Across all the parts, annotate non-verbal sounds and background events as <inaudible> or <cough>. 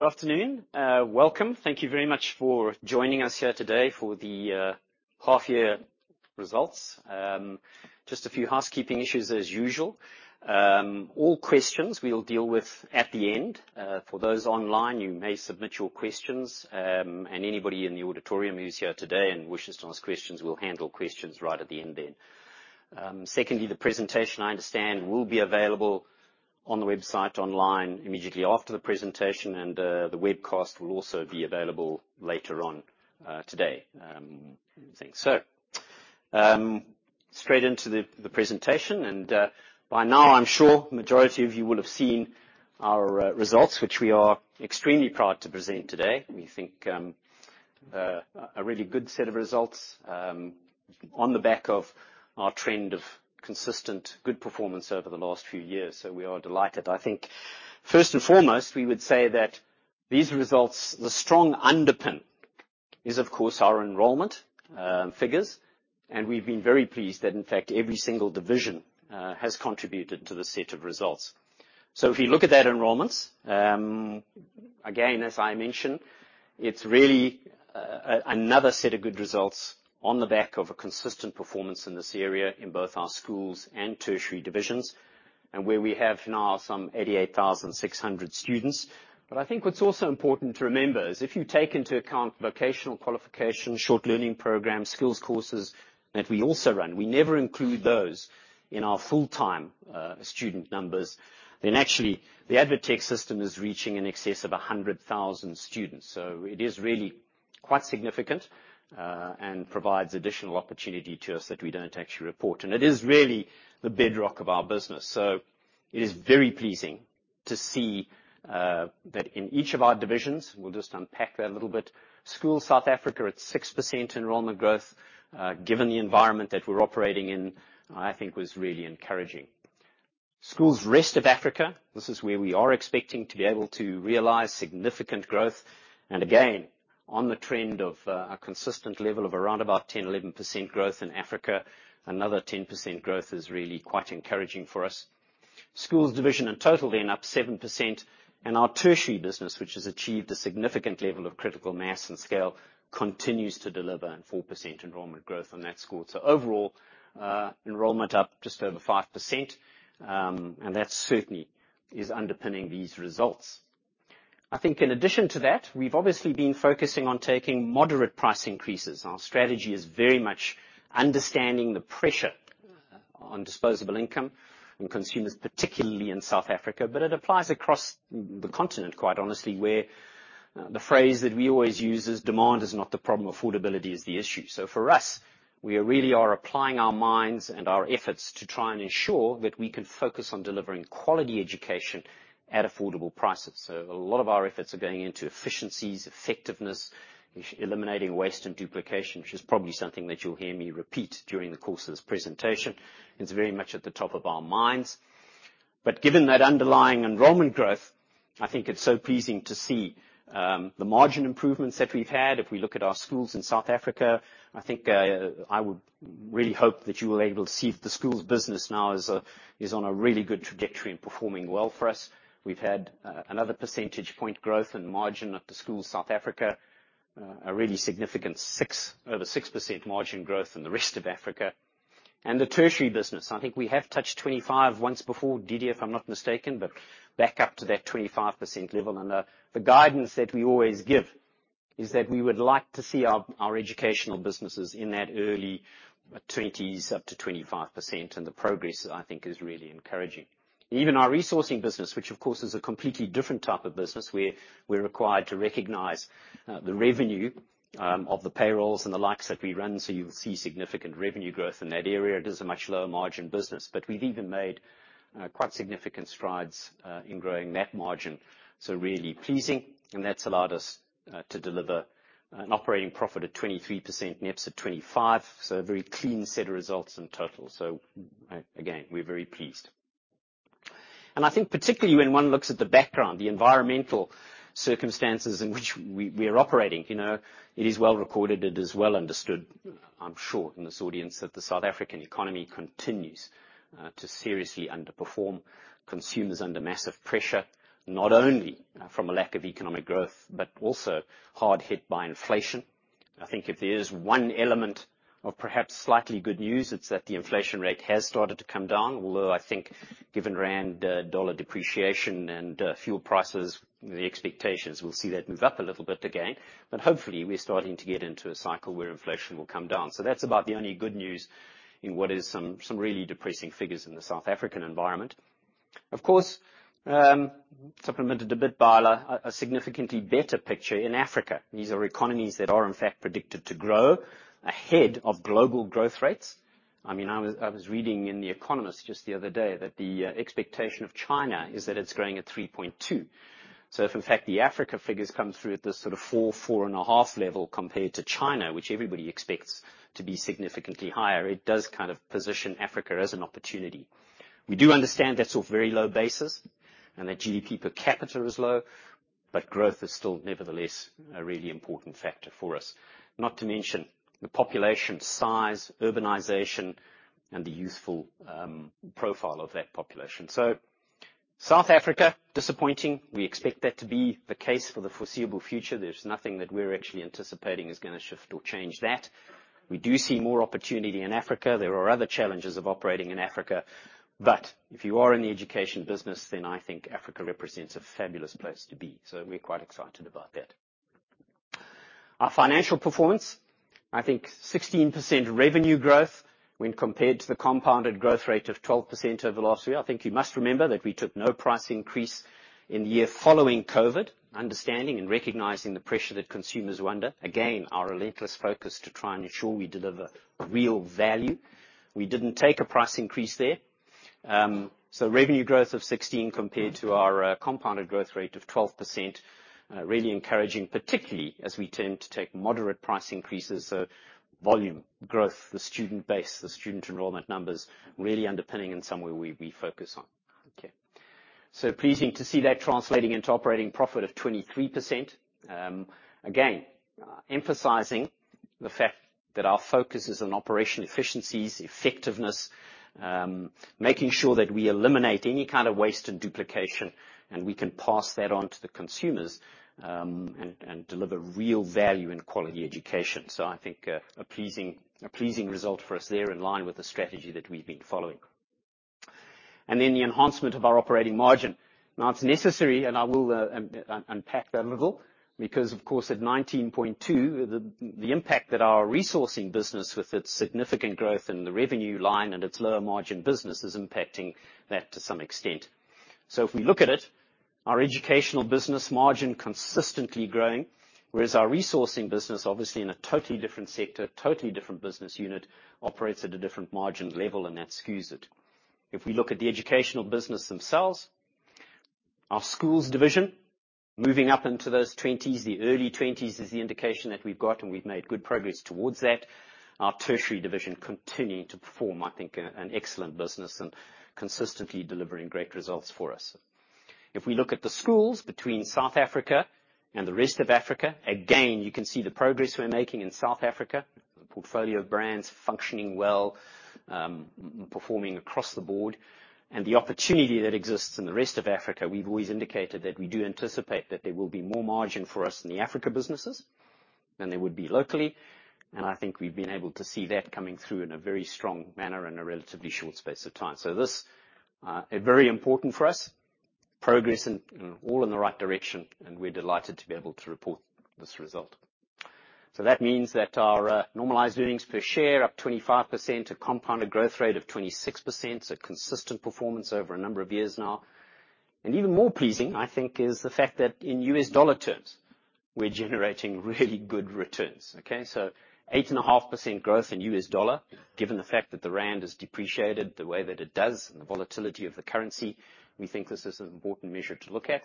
Good afternoon. Welcome. Thank you very much for joining us here today for the half year results. Just a few housekeeping issues as usual. All questions we'll deal with at the end. For those online, you may submit your questions, and anybody in the auditorium who's here today and wishes to ask questions, we'll handle questions right at the end then. Secondly, the presentation, I understand, will be available on the website online immediately after the presentation, and the webcast will also be available later on today. I think so. Straight into the presentation. By now I'm sure majority of you will have seen our results, which we are extremely proud to present today. We think a really good set of results on the back of our trend of consistent good performance over the last few years. We are delighted. I think first and foremost, we would say that these results, the strong underpin is, of course, our enrollment figures, and we've been very pleased that in fact every single division has contributed to the set of results. If you look at that enrollments, again, as I mentioned, it's really another set of good results on the back of a consistent performance in this area in both our schools and tertiary divisions, and where we have now some 88,600 students. I think what's also important to remember is if you take into account vocational qualifications, short learning programs, skills courses that we also run, we never include those in our full-time, student numbers. Actually, the ADvTECH system is reaching in excess of 100,000 students. It is really quite significant, and provides additional opportunity to us that we don't actually report. It is really the bedrock of our business. It is very pleasing to see that in each of our divisions, we'll just unpack that a little bit. Schools South Africa at 6% enrollment growth, given the environment that we're operating in, I think was really encouraging. Schools rest of Africa, this is where we are expecting to be able to realize significant growth. Again, on the trend of a consistent level of around about 10%-11% growth in Africa, another 10% growth is really quite encouraging for us. Schools division in total being up 7%. Our tertiary business, which has achieved a significant level of critical mass and scale, continues to deliver 4% enrollment growth on that score. Overall, enrollment up just over 5%, and that certainly is underpinning these results. I think in addition to that, we've obviously been focusing on taking moderate price increases. Our strategy is very much understanding the pressure on disposable income and consumers, particularly in South Africa, but it applies across the continent, quite honestly, where the phrase that we always use is, "Demand is not the problem, affordability is the issue." For us, we really are applying our minds and our efforts to try and ensure that we can focus on delivering quality education at affordable prices. A lot of our efforts are going into efficiencies, effectiveness, eliminating waste and duplication, which is probably something that you'll hear me repeat during the course of this presentation. It's very much at the top of our minds. Given that underlying enrollment growth, I think it's so pleasing to see the margin improvements that we've had. If we look at our schools in South Africa, I think, I would really hope that you will able to see the schools business now is on a really good trajectory and performing well for us. We've had another percentage point growth in margin in the schools South Africa, a really significant over 6% margin growth in the rest of Africa. The tertiary business, I think we have touched 25% once before, Didier, if I'm not mistaken, but back up to that 25% level. The guidance that we always give is that we would like to see our educational businesses in that early 20%s up to 25%. The progress, I think, is really encouraging. Even our resourcing business, which of course is a completely different type of business, we're required to recognize the revenue of the payrolls and the likes that we run. You'll see significant revenue growth in that area. It is a much lower margin business, but we've even made quite significant strides in growing that margin. Really pleasing, and that's allowed us to deliver an operating profit of 23%, NEPS at 25%. A very clean set of results in total. Again, we're very pleased. I think particularly when one looks at the background, the environmental circumstances in which we are operating, you know, it is well recorded, it is well understood, I'm sure in this audience, that the South African economy continues to seriously underperform. Consumers under massive pressure, not only from a lack of economic growth, but also hard hit by inflation. I think if there is one element of perhaps slightly good news, it's that the inflation rate has started to come down. Although I think given rand-dollar depreciation and fuel prices, the expectations, we'll see that move up a little bit again. Hopefully, we're starting to get into a cycle where inflation will come down. That's about the only good news in what is some really depressing figures in the South African environment. Of course, supplemented a bit by a significantly better picture in Africa. These are economies that are in fact predicted to grow ahead of global growth rates. I mean, I was reading in The Economist just the other day that the expectation of China is that it's growing at 3.2%. If in fact the Africa figures come through at this sort of 4%, 4.5% level compared to China, which everybody expects to be significantly higher, it does kind of position Africa as an opportunity. We do understand that's off very low base and that GDP per capita is low, but growth is still nevertheless a really important factor for us. Not to mention the population size, urbanization, and the youthful profile of that population. South Africa, disappointing. We expect that to be the case for the foreseeable future. There's nothing that we're actually anticipating is gonna shift or change that. We do see more opportunity in Africa. There are other challenges of operating in Africa, but if you are in the education business, then I think Africa represents a fabulous place to be. We're quite excited about that. Our financial performance, I think 16% revenue growth when compared to the compounded growth rate of 12% over last year. I think you must remember that we took no price increase in the year following COVID, understanding and recognizing the pressure that consumers were under. Again, our relentless focus to try and ensure we deliver real value. We didn't take a price increase there. Revenue growth of 16% compared to our compounded growth rate of 12%, really encouraging, particularly as we tend to take moderate price increases. Volume growth, the student base, the student enrollment numbers, really underpinning and somewhere we focus on. Okay. Pleasing to see that translating into operating profit of 23%. Emphasizing the fact that our focus is on operational efficiencies, effectiveness, making sure that we eliminate any kind of waste and duplication, and we can pass that on to the consumers, and deliver real value in quality education. I think a pleasing result for us there in line with the strategy that we've been following. Then the enhancement of our operating margin. Now it's necessary, and I will unpack that a little because of course at 19.2%, the impact that our resourcing business with its significant growth in the revenue line and its lower margin business is impacting that to some extent. If we look at it, our educational business margin consistently growing, whereas our resourcing business, obviously in a totally different sector, totally different business unit, operates at a different margin level, and that skews it. If we look at the educational business themselves, our schools division, moving up into those 20%s, the early 20s% is the indication that we've got, and we've made good progress towards that. Our tertiary division continuing to perform, I think, an excellent business and consistently delivering great results for us. If we look at the schools between South Africa and the rest of Africa, again, you can see the progress we're making in South Africa. The portfolio of brands functioning well, performing across the board. The opportunity that exists in the rest of Africa, we've always indicated that we do anticipate that there will be more margin for us in the Africa businesses than there would be locally. I think we've been able to see that coming through in a very strong manner in a relatively short space of time. This very important progress for us in the right direction, and we're delighted to be able to report this result. That means that our normalized earnings per share up 25%, a compounded growth rate of 26%, so consistent performance over a number of years now. Even more pleasing, I think, is the fact that in U.S. dollar terms, we're generating really good returns. Okay? 8.5% growth in U.S. dollar, given the fact that the rand has depreciated the way that it does and the volatility of the currency, we think this is an important measure to look at.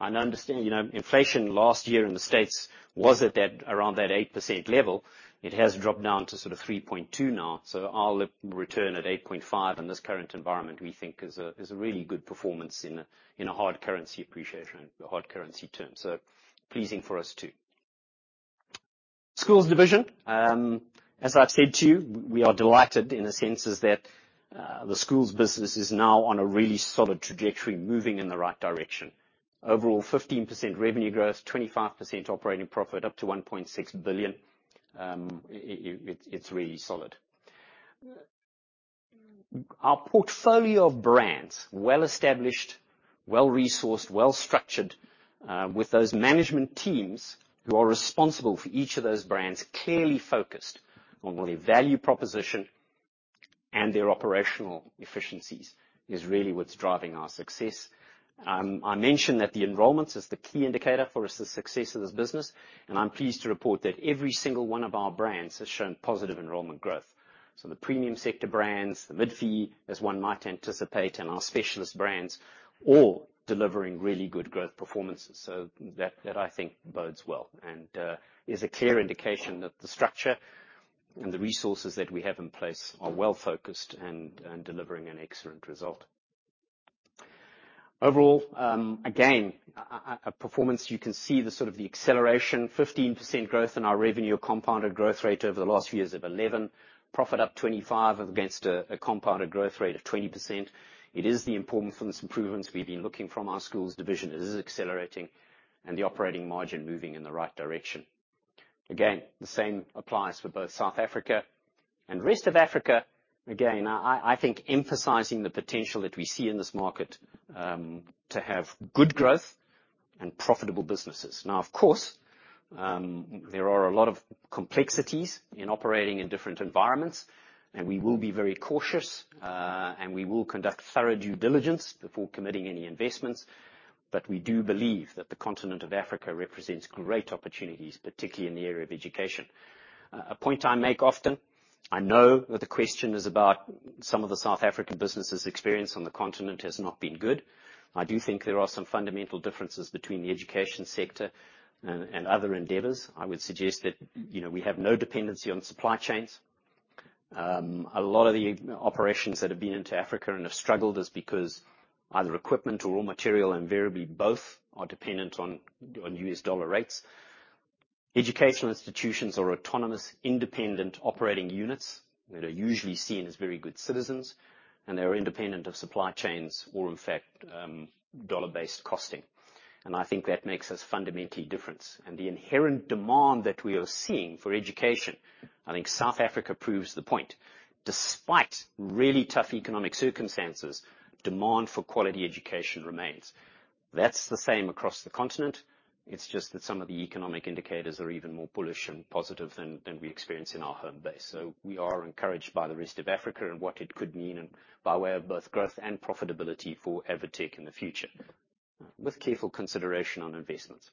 Understand, you know, inflation last year in the United States was at that, around that 8% level. It has dropped down to sort of 3.2% now. Our return at 8.5% in this current environment, we think is a really good performance in hard currency terms. Pleasing for us too. Schools division. As I've said to you, we are delighted in the sense that the schools business is now on a really solid trajectory moving in the right direction. Overall, 15% revenue growth, 25% operating profit, up to 1.6 billion. It's really solid. Our portfolio of brands, well-established, well-resourced, well-structured, with those management teams who are responsible for each of those brands, clearly focused on the value proposition and their operational efficiencies, is really what's driving our success. I mentioned that the enrollments is the key indicator for us, the success of this business, and I'm pleased to report that every single one of our brands has shown positive enrollment growth. The premium sector brands, the mid-fee, as one might anticipate, and our specialist brands, all delivering really good growth performances. That I think bodes well and is a clear indication that the structure and the resources that we have in place are well-focused and delivering an excellent result. Overall, again, a performance, you can see the sort of the acceleration, 15% growth in our revenue, a compounded growth rate over the last few years of 11%. Profit up 25% against a compounded growth rate of 20%. It is the improvement from this improvements we've been looking for from our schools division. It is accelerating and the operating margin moving in the right direction. Again, the same applies for both South Africa and rest of Africa. Again, I think emphasizing the potential that we see in this market, to have good growth and profitable businesses. Now, of course, there are a lot of complexities in operating in different environments, and we will be very cautious, and we will conduct thorough due diligence before committing any investments. We do believe that the continent of Africa represents great opportunities, particularly in the area of education. A point I make often, I know that the question is about some of the South African businesses' experience on the continent has not been good. I do think there are some fundamental differences between the education sector and other endeavors. I would suggest that, you know, we have no dependency on supply chains. A lot of the operations that have been into Africa and have struggled is because either equipment or raw material, invariably both, are dependent on U.S. dollar rates. Educational institutions are autonomous, independent operating units that are usually seen as very good citizens, and they are independent of supply chains or in fact, dollar-based costing. I think that makes us fundamentally different. The inherent demand that we are seeing for education, I think South Africa proves the point. Despite really tough economic circumstances, demand for quality education remains. That's the same across the continent. It's just that some of the economic indicators are even more bullish and positive than we experience in our home base. We are encouraged by the rest of Africa and what it could mean and by way of both growth and profitability for ADvTECH in the future, with careful consideration on investments.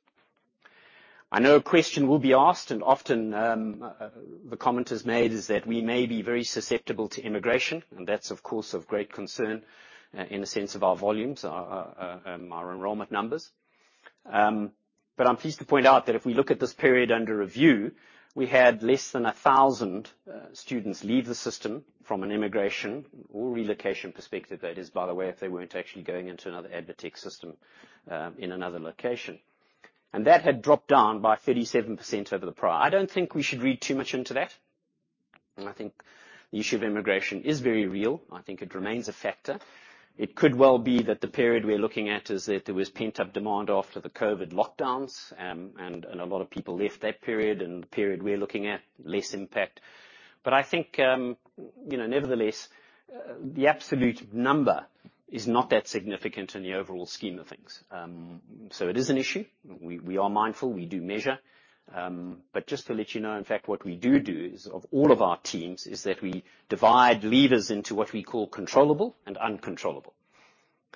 I know a question will be asked, and often, the comment is made, is that we may be very susceptible to emigration, and that's of course, of great concern in the sense of our volumes, our enrollment numbers. I'm pleased to point out that if we look at this period under review, we had less than 1,000 students leave the system from an immigration or relocation perspective. That is, by the way, if they weren't actually going into another ADvTECH system in another location. That had dropped down by 37% over the prior. I don't think we should read too much into that. I think the issue of immigration is very real. I think it remains a factor. It could well be that the period we're looking at is that there was pent-up demand after the COVID lockdowns, and a lot of people left that period, and the period we're looking at less impact. I think, you know, nevertheless, the absolute number is not that significant in the overall scheme of things. It is an issue. We are mindful. We do measure. Just to let you know, in fact, what we do is of all of our teams is that we divide leavers into what we call controllable and uncontrollable.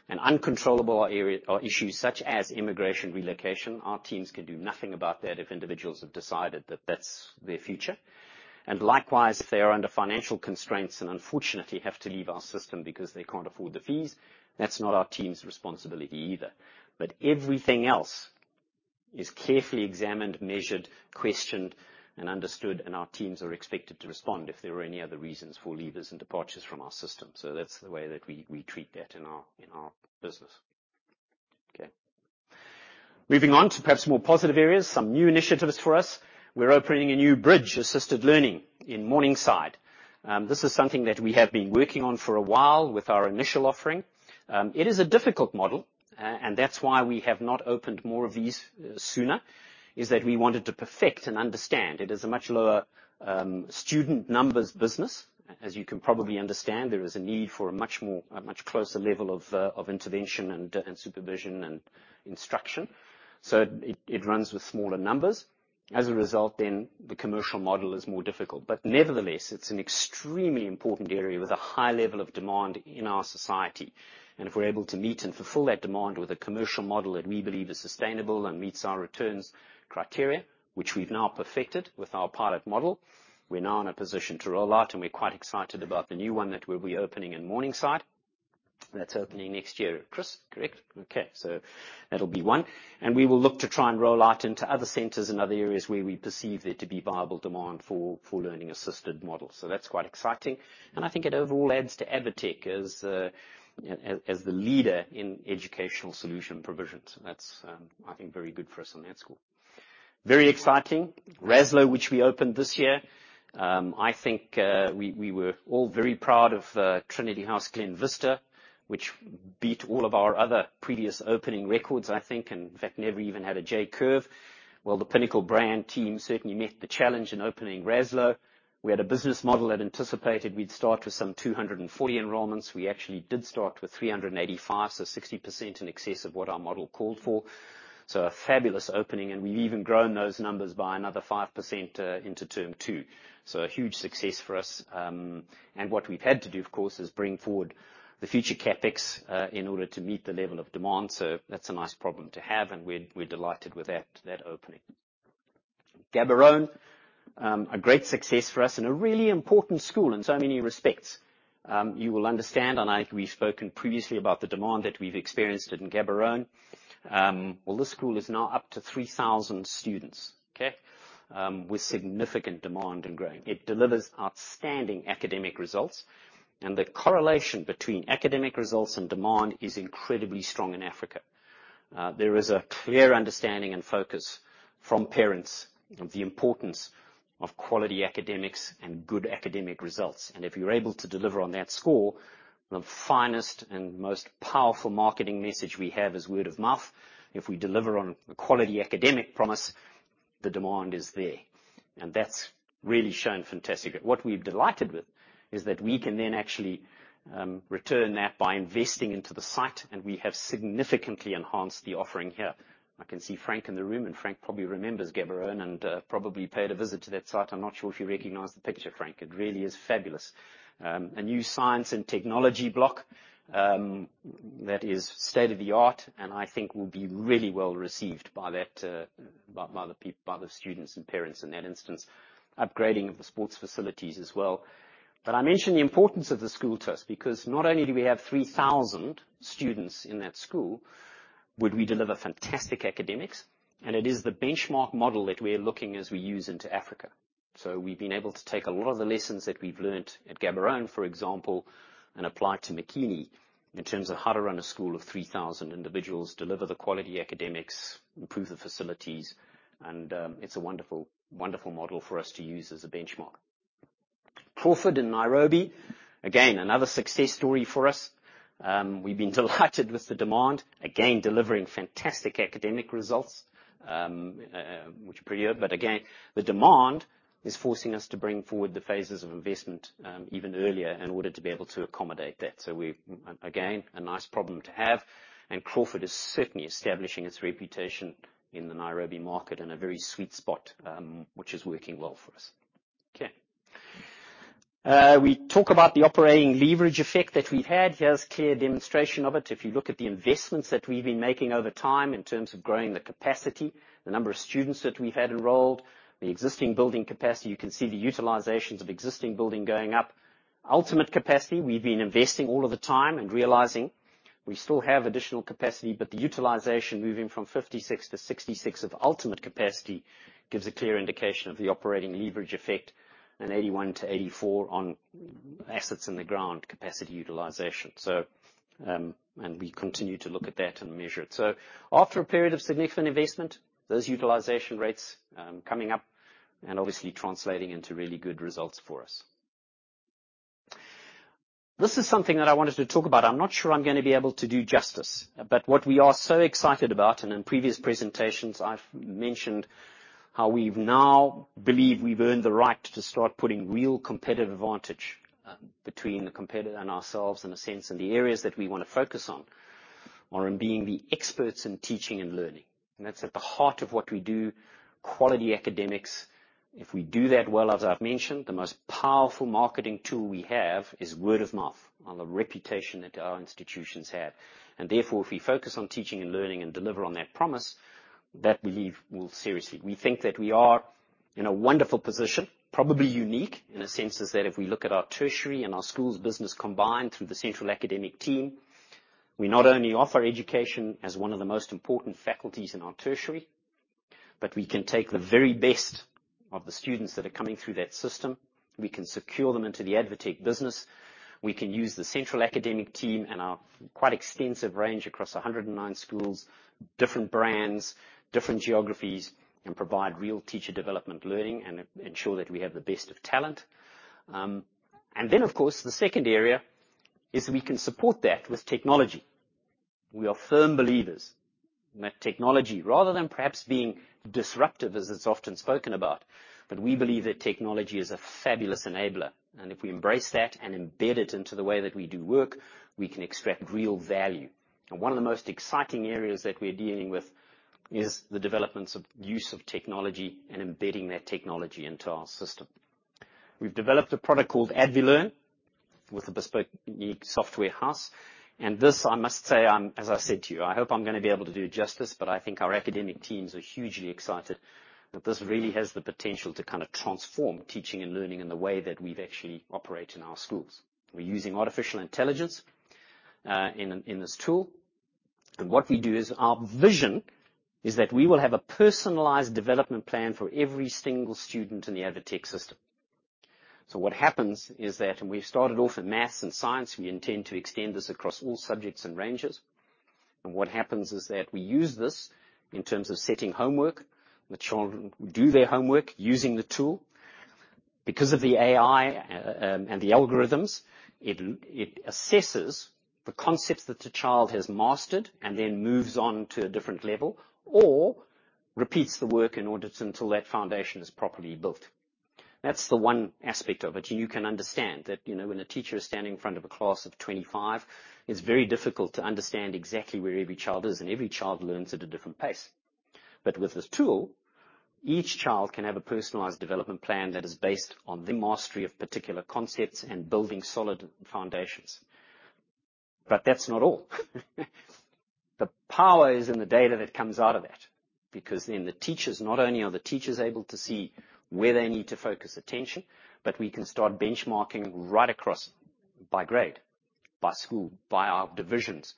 Uncontrollable are issues such as immigration, relocation. Our teams can do nothing about that if individuals have decided that that's their future. Likewise, if they are under financial constraints and unfortunately have to leave our system because they can't afford the fees, that's not our team's responsibility either. Everything else is carefully examined, measured, questioned and understood, and our teams are expected to respond if there are any other reasons for leavers and departures from our system. That's the way that we treat that in our business. Okay. Moving on to perhaps more positive areas, some new initiatives for us. We're opening a new Bridge Assisted Learning in Morningside. This is something that we have been working on for a while with our initial offering. It is a difficult model, and that's why we have not opened more of these sooner, is that we wanted to perfect and understand. It is a much lower student numbers business. As you can probably understand, there is a need for a much more, a much closer level of intervention and supervision and instruction. It runs with smaller numbers. As a result, the commercial model is more difficult. Nevertheless, it's an extremely important area with a high level of demand in our society. If we're able to meet and fulfill that demand with a commercial model that we believe is sustainable and meets our returns criteria, which we've now perfected with our pilot model, we're now in a position to roll out, and we're quite excited about the new one that we'll be opening in Morningside. That's opening next year. Chris, correct? Okay. That'll be one. We will look to try and roll out into other centers and other areas where we perceive there to be viable demand for learning-assisted models. That's quite exciting, and I think it overall adds to ADvTECH as the leader in educational solution provision. That's, I think, very good for us on that score. Very exciting. Raslouw, which we opened this year. I think we were all very proud of Trinityhouse Glenvista, which beat all of our other previous opening records, I think, and in fact, never even had a J-curve. Well, the Pinnacle brand team certainly met the challenge in opening Raslouw. We had a business model that anticipated we'd start with some 240 enrollments. We actually did start with 385 enrollments, so 60% in excess of what our model called for. A fabulous opening, and we've even grown those numbers by another 5% into term two. A huge success for us. What we've had to do, of course, is bring forward the future CapEx in order to meet the level of demand. That's a nice problem to have, and we're delighted with that opening. Gaborone, a great success for us and a really important school in so many respects. You will understand, and I think we've spoken previously about the demand that we've experienced in Gaborone. Well, this school is now up to 3,000 students, okay, with significant demand and growing. It delivers outstanding academic results, and the correlation between academic results and demand is incredibly strong in Africa. There is a clear understanding and focus from parents of the importance of quality academics and good academic results. If you're able to deliver on that score, the finest and most powerful marketing message we have is word of mouth. If we deliver on a quality academic promise, the demand is there. That's really shown fantastic. What we're delighted with is that we can then actually return that by investing into the site, and we have significantly enhanced the offering here. I can see Frank in the room, and Frank probably remembers Gaborone and probably paid a visit to that site. I'm not sure if you recognize the picture, Frank. It really is fabulous. A new science and technology block that is state-of-the-art, and I think will be really well received by the students and parents in that instance. Upgrading of the sports facilities as well. I mention the importance of the school to us because not only do we have 3,000 students in that school, but we deliver fantastic academics, and it is the benchmark model that we're looking at as we move into Africa. We've been able to take a lot of the lessons that we've learned at Gaborone, for example, and apply to Makini in terms of how to run a school of 3,000 individuals, deliver the quality academics, improve the facilities, and it's a wonderful model for us to use as a benchmark. Crawford International in Nairobi, again, another success story for us. We've been delighted with the demand. Again, delivering fantastic academic results, which are pretty hard. Again, the demand is forcing us to bring forward the phases of investment, even earlier in order to be able to accommodate that. Again, a nice problem to have. Crawford is certainly establishing its reputation in the Nairobi market in a very sweet spot, which is working well for us. We talk about the operating leverage effect that we've had. Here's clear demonstration of it. If you look at the investments that we've been making over time in terms of growing the capacity, the number of students that we've had enrolled, the existing building capacity, you can see the utilizations of existing building going up. Ultimate capacity, we've been investing all of the time and realizing we still have additional capacity, but the utilization moving from 56%-66% of ultimate capacity gives a clear indication of the operating leverage effect and 81%-84% on assets in the ground capacity utilization. We continue to look at that and measure it. After a period of significant investment, those utilization rates coming up and obviously translating into really good results for us. This is something that I wanted to talk about. I'm not sure I'm gonna be able to do justice, but what we are so excited about, and in previous presentations, I've mentioned how we now believe we've earned the right to start putting real competitive advantage between the competitor and ourselves in a sense, and the areas that we wanna focus on are in being the experts in teaching and learning. That's at the heart of what we do, quality academics. If we do that well, as I've mentioned, the most powerful marketing tool we have is word of mouth on the reputation that our institutions have. Therefore, if we focus on teaching and learning and deliver on that promise, that we believe will seriously. We think that we are in a wonderful position, probably unique in a sense, is that if we look at our tertiary and our schools business combined through the central academic team, we not only offer education as one of the most important faculties in our tertiary, but we can take the very best of the students that are coming through that system. We can secure them into the ADvTECH business. We can use the central academic team and our quite extensive range across 109 schools, different brands, different geographies, and provide real teacher development learning and ensure that we have the best of talent. Of course, the second area is we can support that with technology. We are firm believers that technology, rather than perhaps being disruptive as it's often spoken about, but we believe that technology is a fabulous enabler. If we embrace that and embed it into the way that we do work, we can extract real value. One of the most exciting areas that we're dealing with is the development and use of technology and embedding that technology into our system. We've developed a product called ADvLEARN with a bespoke unique software house. This I must say, as I said to you, I hope I'm gonna be able to do it justice, but I think our academic teams are hugely excited that this really has the potential to kind of transform teaching and learning in the way that we actually operate in our schools. We're using artificial intelligence in this tool. What we do is our vision is that we will have a personalized development plan for every single student in the ADvTECH system. What happens is that we've started off in math and science. We intend to extend this across all subjects and ranges. What happens is that we use this in terms of setting homework. The children do their homework using the tool. Because of the AI and the algorithms, it assesses the concepts that the child has mastered and then moves on to a different level or repeats the work in order to until that foundation is properly built. That's the one aspect of it. You can understand that, you know, when a teacher is standing in front of a class of 25, it's very difficult to understand exactly where every child is, and every child learns at a different pace. With this tool, each child can have a personalized development plan that is based on the mastery of particular concepts and building solid foundations. That's not all. The power is in the data that comes out of it, because then the teachers not only are able to see where they need to focus attention, but we can start benchmarking right across by grade, by school, by our divisions.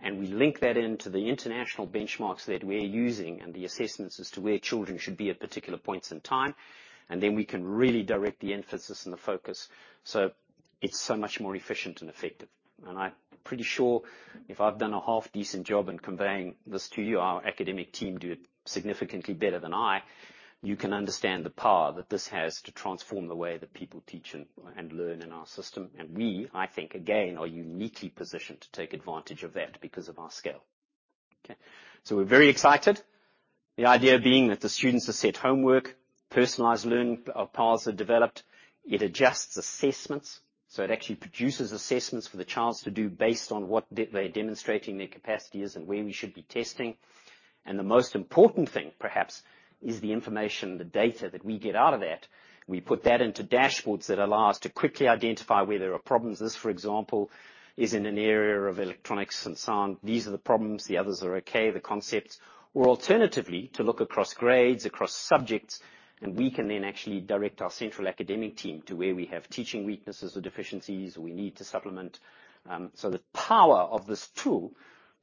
We link that into the international benchmarks that we're using and the assessments as to where children should be at particular points in time. Then we can really direct the emphasis and the focus so it's so much more efficient and effective. I'm pretty sure if I've done a half-decent job in conveying this to you, our academic team do it significantly better than I. You can understand the power that this has to transform the way that people teach and learn in our system. We, I think, again, are uniquely positioned to take advantage of that because of our scale. Okay. We're very excited. The idea being that the students are set homework, personalized learning paths are developed. It adjusts assessments, so it actually produces assessments for the children to do based on what they're demonstrating their capacity is and where we should be testing. The most important thing, perhaps, is the information, the data that we get out of that. We put that into dashboards that allow us to quickly identify where there are problems. This, for example, is in an area of electronics and sound. These are the problems, the others are okay, the concepts. Alternatively, to look across grades, across subjects, and we can then actually direct our central academic team to where we have teaching weaknesses or deficiencies we need to supplement. The power of this tool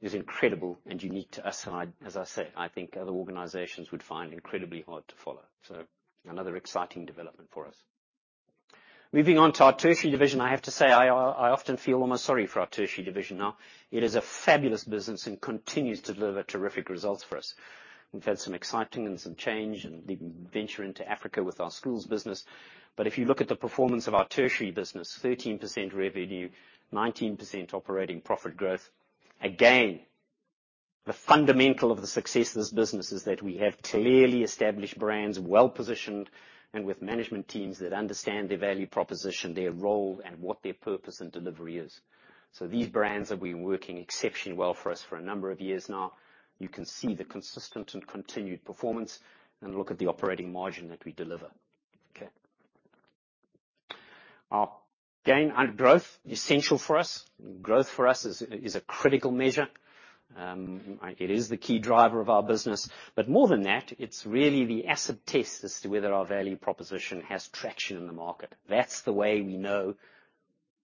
is incredible and unique to us. I, as I said, I think other organizations would find incredibly hard to follow. Another exciting development for us. Moving on to our tertiary division, I have to say, I often feel almost sorry for our tertiary division now. It is a fabulous business and continues to deliver terrific results for us. We've had some exciting and some change in the venture into Africa with our schools business. If you look at the performance of our tertiary business, 13% revenue, 19% operating profit growth. Again, the fundamental of the success of this business is that we have clearly established brands, well-positioned and with management teams that understand their value proposition, their role, and what their purpose and delivery is. These brands have been working exceptionally well for us for a number of years now. You can see the consistent and continued performance and look at the operating margin that we deliver. Okay. Again, our growth, essential for us. Growth for us is a critical measure. It is the key driver of our business. More than that, it's really the acid test as to whether our value proposition has traction in the market. That's the way we know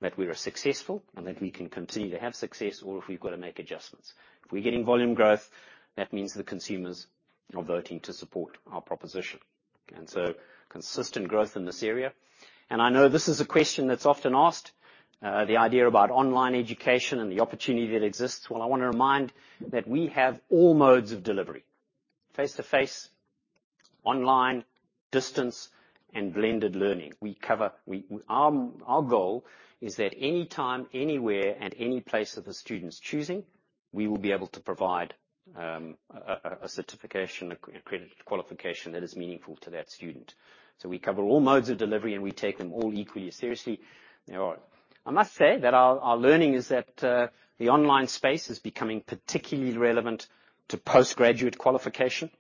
that we are successful and that we can continue to have success or if we've got to make adjustments. If we're getting volume growth, that means the consumers are voting to support our proposition. Consistent growth in this area. I know this is a question that's often asked, the idea about online education and the opportunity that exists. Well, I wanna remind that we have all modes of delivery. Face-to-face, online, distance, and blended learning. We, our goal is that any time, anywhere, at any place of the student's choosing, we will be able to provide a certification, accreditation, qualification that is meaningful to that student. We cover all modes of delivery, and we take them all equally as seriously. Now, I must say that our learning is that the online space is becoming particularly relevant to postgraduate qualification.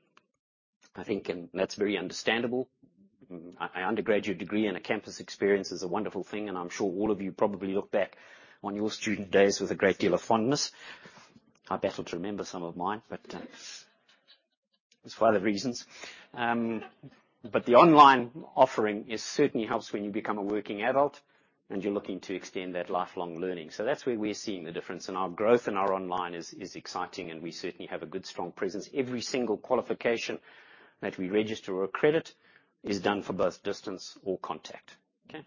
I think, and that's very understandable. An undergraduate degree and a campus experience is a wonderful thing, and I'm sure all of you probably look back on your student days with a great deal of fondness. I battle to remember some of mine, but there's other reasons. But the online offering certainly helps when you become a working adult and you're looking to extend that lifelong learning. That's where we're seeing the difference. Our growth in our online is exciting, and we certainly have a good, strong presence. Every single qualification that we register or accredit is done for both distance or contact. Okay.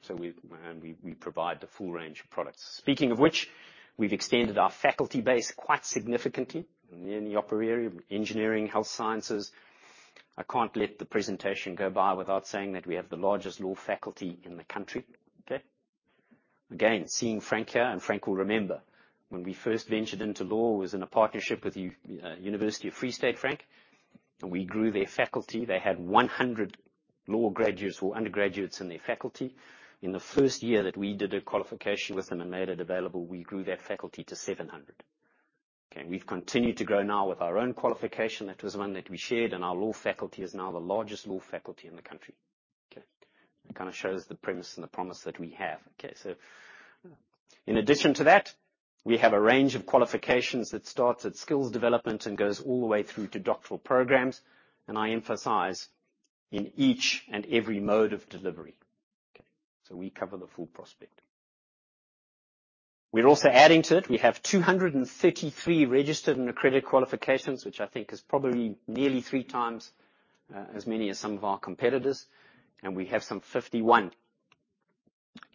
We provide the full range of products. Speaking of which, we've extended our faculty base quite significantly in the upper area of engineering, health sciences. I can't let the presentation go by without saying that we have the largest law faculty in the country. Okay? Again, seeing Frank here, and Frank will remember. When we first ventured into law, it was in a partnership with University of the Free State, Frank. We grew their faculty. They had 100 law graduates or undergraduates in their faculty. In the first year that we did a qualification with them and made it available, we grew that faculty to 700. Okay. We've continued to grow now with our own qualification. That was one that we shared, and our law faculty is now the largest law faculty in the country. Okay. It kinda shows the premise and the promise that we have. Okay. In addition to that, we have a range of qualifications that starts at skills development and goes all the way through to doctoral programs, and I emphasize in each and every mode of delivery. Okay. We cover the full spectrum. We're also adding to it. We have 233 registered and accredited qualifications, which I think is probably nearly 3x as many as some of our competitors, and we have some 51 registered and accredited qualifications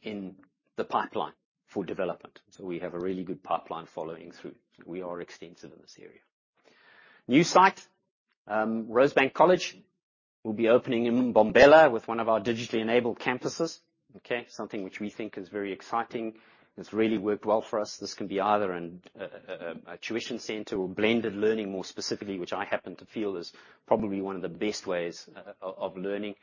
in the pipeline for development. We have a really good pipeline following through. We are extensive in this area. New site, Rosebank College will be opening in Mbombela with one of our digitally enabled campuses. Okay? Something which we think is very exciting. It's really worked well for us. This can be either a tuition center or blended learning more specifically, which I happen to feel is probably one of the best ways of learning.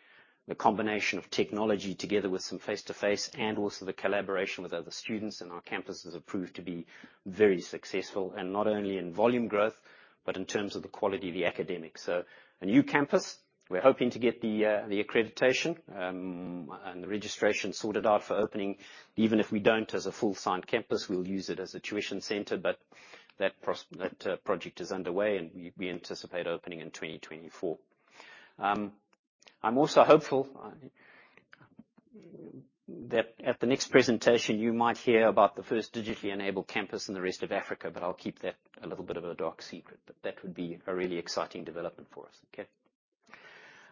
The combination of technology together with some face-to-face and also the collaboration with other students in our campuses have proved to be very successful, and not only in volume growth, but in terms of the quality of the academics. A new campus. We're hoping to get the accreditation and the registration sorted out for opening. Even if we don't as a full signed campus, we'll use it as a tuition center, but that project is underway, and we anticipate opening in 2024. I'm also hopeful that at the next presentation, you might hear about the first digitally enabled campus in the rest of Africa, but I'll keep that a little bit of a dark secret. That would be a really exciting development for us. Okay.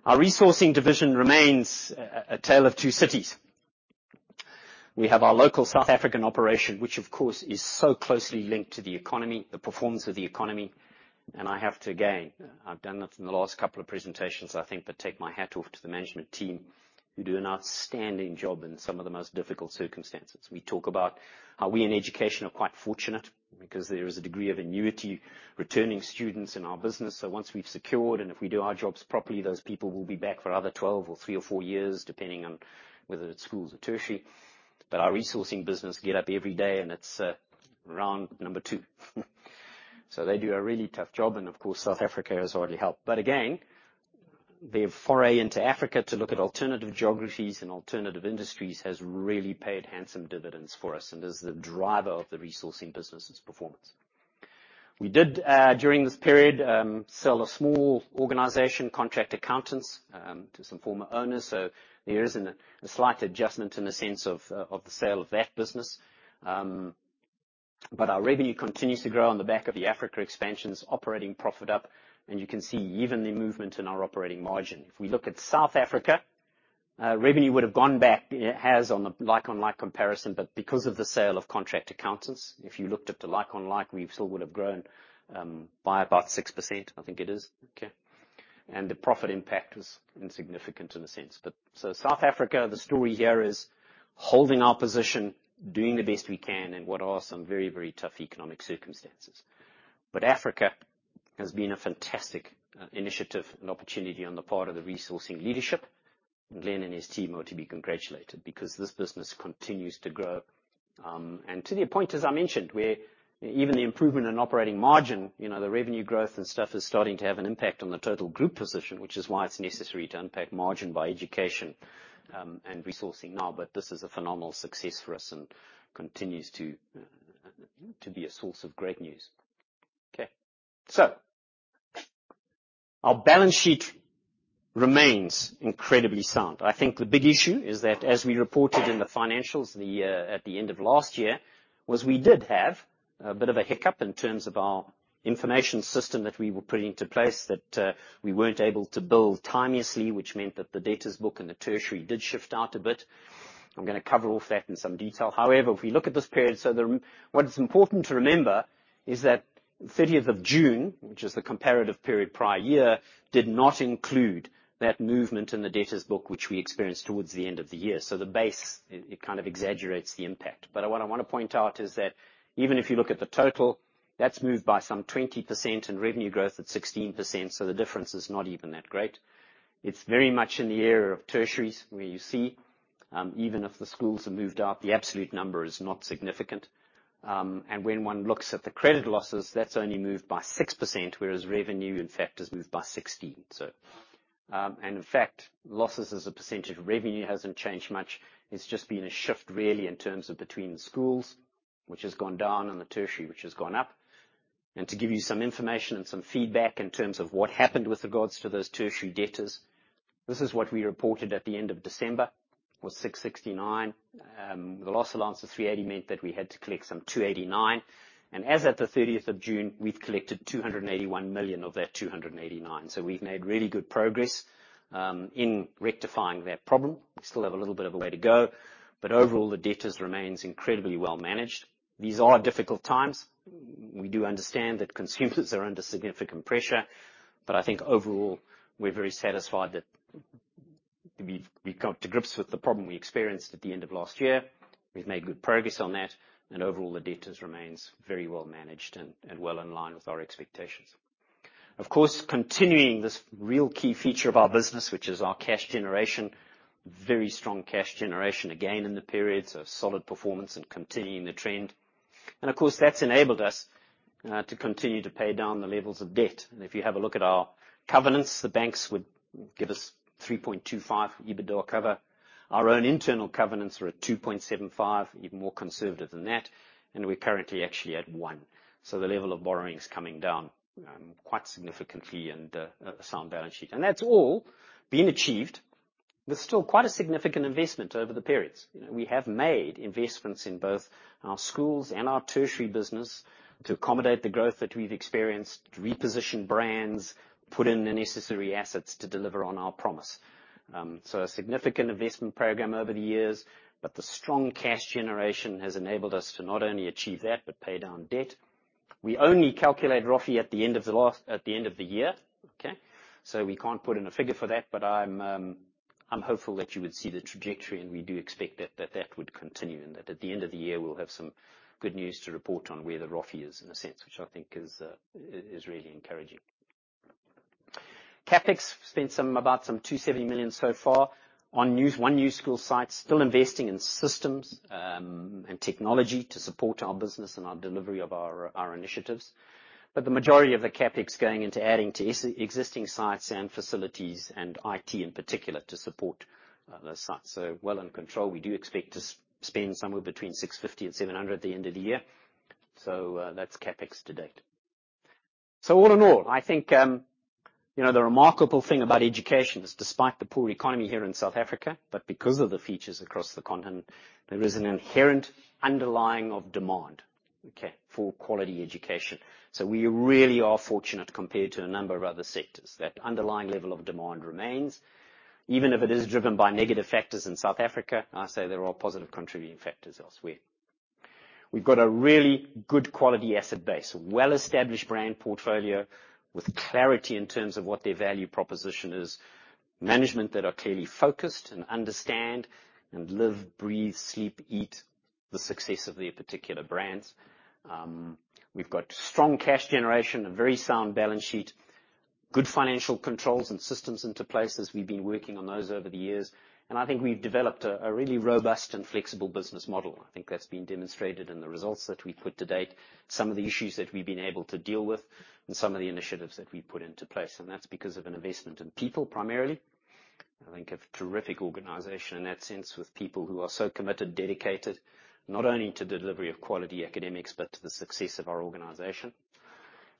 Our resourcing division remains a tale of two cities. We have our local South African operation, which of course, is so closely linked to the economy, the performance of the economy. I have to, again, I've done it in the last couple of presentations, I think, but take my hat off to the management team, who do an outstanding job in some of the most difficult circumstances. We talk about how we in education are quite fortunate because there is a degree of annuity returning students in our business. Once we've secured, and if we do our jobs properly, those people will be back for another 12 years or 3 years or 4 years, depending on whether it's schools or tertiary. Our resourcing business get up every day, and it's round number two. They do a really tough job, and of course, South Africa has hardly helped. Their foray into Africa to look at alternative geographies and alternative industries has really paid handsome dividends for us and is the driver of the resourcing business' performance. We did during this period sell a small organization, Contract Accountants, to some former owners. There is a slight adjustment in the sense of the sale of that business. Our revenue continues to grow on the back of the Africa expansions. Operating profit up, and you can see even the movement in our operating margin. If we look at South Africa, revenue would have gone back. It has on a like-for-like comparison, but because of the sale of Contract Accountants, if you looked at the like-for-like, we still would have grown by about 6%, I think it is. Okay. The profit impact is insignificant in a sense. South Africa, the story here is holding our position, doing the best we can in what are some very, very tough economic circumstances. Africa has been a fantastic initiative and opportunity on the part of the Resourcing leadership. Glenn and his team are to be congratulated because this business continues to grow. To the point, as I mentioned, where even the improvement in operating margin, you know, the revenue growth and stuff is starting to have an impact on the total group position, which is why it's necessary to unpack margin by education, and resourcing now. This is a phenomenal success for us and continues to be a source of great news. Okay. Our balance sheet remains incredibly sound. I think the big issue is that as we reported in the financials at the end of last year, was we did have a bit of a hiccup in terms of our information system that we were putting into place that we weren't able to build timeously, which meant that the debtors book and the tertiary did shift out a bit. I'm gonna cover all of that in some detail. However, if we look at this period, what's important to remember is that 30th of June, which is the comparative period prior year, did not include that movement in the debtors book, which we experienced towards the end of the year. The base kind of exaggerates the impact. What I wanna point out is that even if you look at the total, that's moved by some 20% and revenue growth at 16%, so the difference is not even that great. It's very much in the area of tertiaries where you see, even if the schools have moved up, the absolute number is not significant. When one looks at the credit losses, that's only moved by 6%, whereas revenue, in fact, has moved by 16%. In fact, losses as a percentage of revenue hasn't changed much. It's just been a shift really in terms of between the schools, which has gone down, and the tertiary, which has gone up. To give you some information and some feedback in terms of what happened with regards to those tertiary debtors, this is what we reported at the end of December. It was 669 million. The loss allowance of 380 million meant that we had to collect some 289 million. As at the 30th of June, we've collected 281 million of that 289 million. We've made really good progress in rectifying that problem. We still have a little bit of a way to go, but overall, the debtors remains incredibly well managed. These are difficult times. We do understand that consumers are under significant pressure, but I think overall, we're very satisfied that we've come to grips with the problem we experienced at the end of last year. We've made good progress on that, and overall, the debtors remains very well managed and well in line with our expectations. Of course, continuing this real key feature of our business, which is our cash generation. Very strong cash generation again in the period, so solid performance and continuing the trend. Of course, that's enabled us to continue to pay down the levels of debt. If you have a look at our covenants, the banks would give us 3.25% EBITDA cover. Our own internal covenants are at 2.75%, even more conservative than that, and we're currently actually at 1%. The level of borrowing is coming down quite significantly and a sound balance sheet. That's all been achieved. There's still quite a significant investment over the periods. You know, we have made investments in both our schools and our tertiary business to accommodate the growth that we've experienced, to reposition brands, put in the necessary assets to deliver on our promise. A significant investment program over the years, but the strong cash generation has enabled us to not only achieve that but pay down debt. We only calculate ROFE at the end of the year, okay? We can't put in a figure for that, but I'm hopeful that you would see the trajectory, and we do expect that that would continue and that at the end of the year, we'll have some good news to report on where the ROFE is in a sense, which I think is really encouraging. CapEx spent about 270 million so far on one new school site, still investing in systems and technology to support our business and our delivery of our initiatives. But the majority of the CapEx going into adding to existing sites and facilities and IT in particular to support those sites. Well in control. We do expect to spend somewhere between 650 million and 700 million at the end of the year. That's CapEx to date. All in all, I think, you know, the remarkable thing about education is despite the poor economy here in South Africa, but because of the factors across the continent, there is an inherent underlying of demand, okay, for quality education. We really are fortunate compared to a number of other sectors. That underlying level of demand remains. Even if it is driven by negative factors in South Africa, I say there are positive contributing factors elsewhere. We've got a really good quality asset base, a well-established brand portfolio with clarity in terms of what their value proposition is, management that are clearly focused and understand and live, breathe, sleep, eat the success of their particular brands. We've got strong cash generation, a very sound balance sheet, good financial controls and systems in place as we've been working on those over the years. I think we've developed a really robust and flexible business model. I think that's been demonstrated in the results that we put to date, some of the issues that we've been able to deal with, and some of the initiatives that we've put into place. That's because of an investment in people primarily. I think a terrific organization in that sense with people who are so committed, dedicated, not only to delivery of quality academics, but to the success of our organization.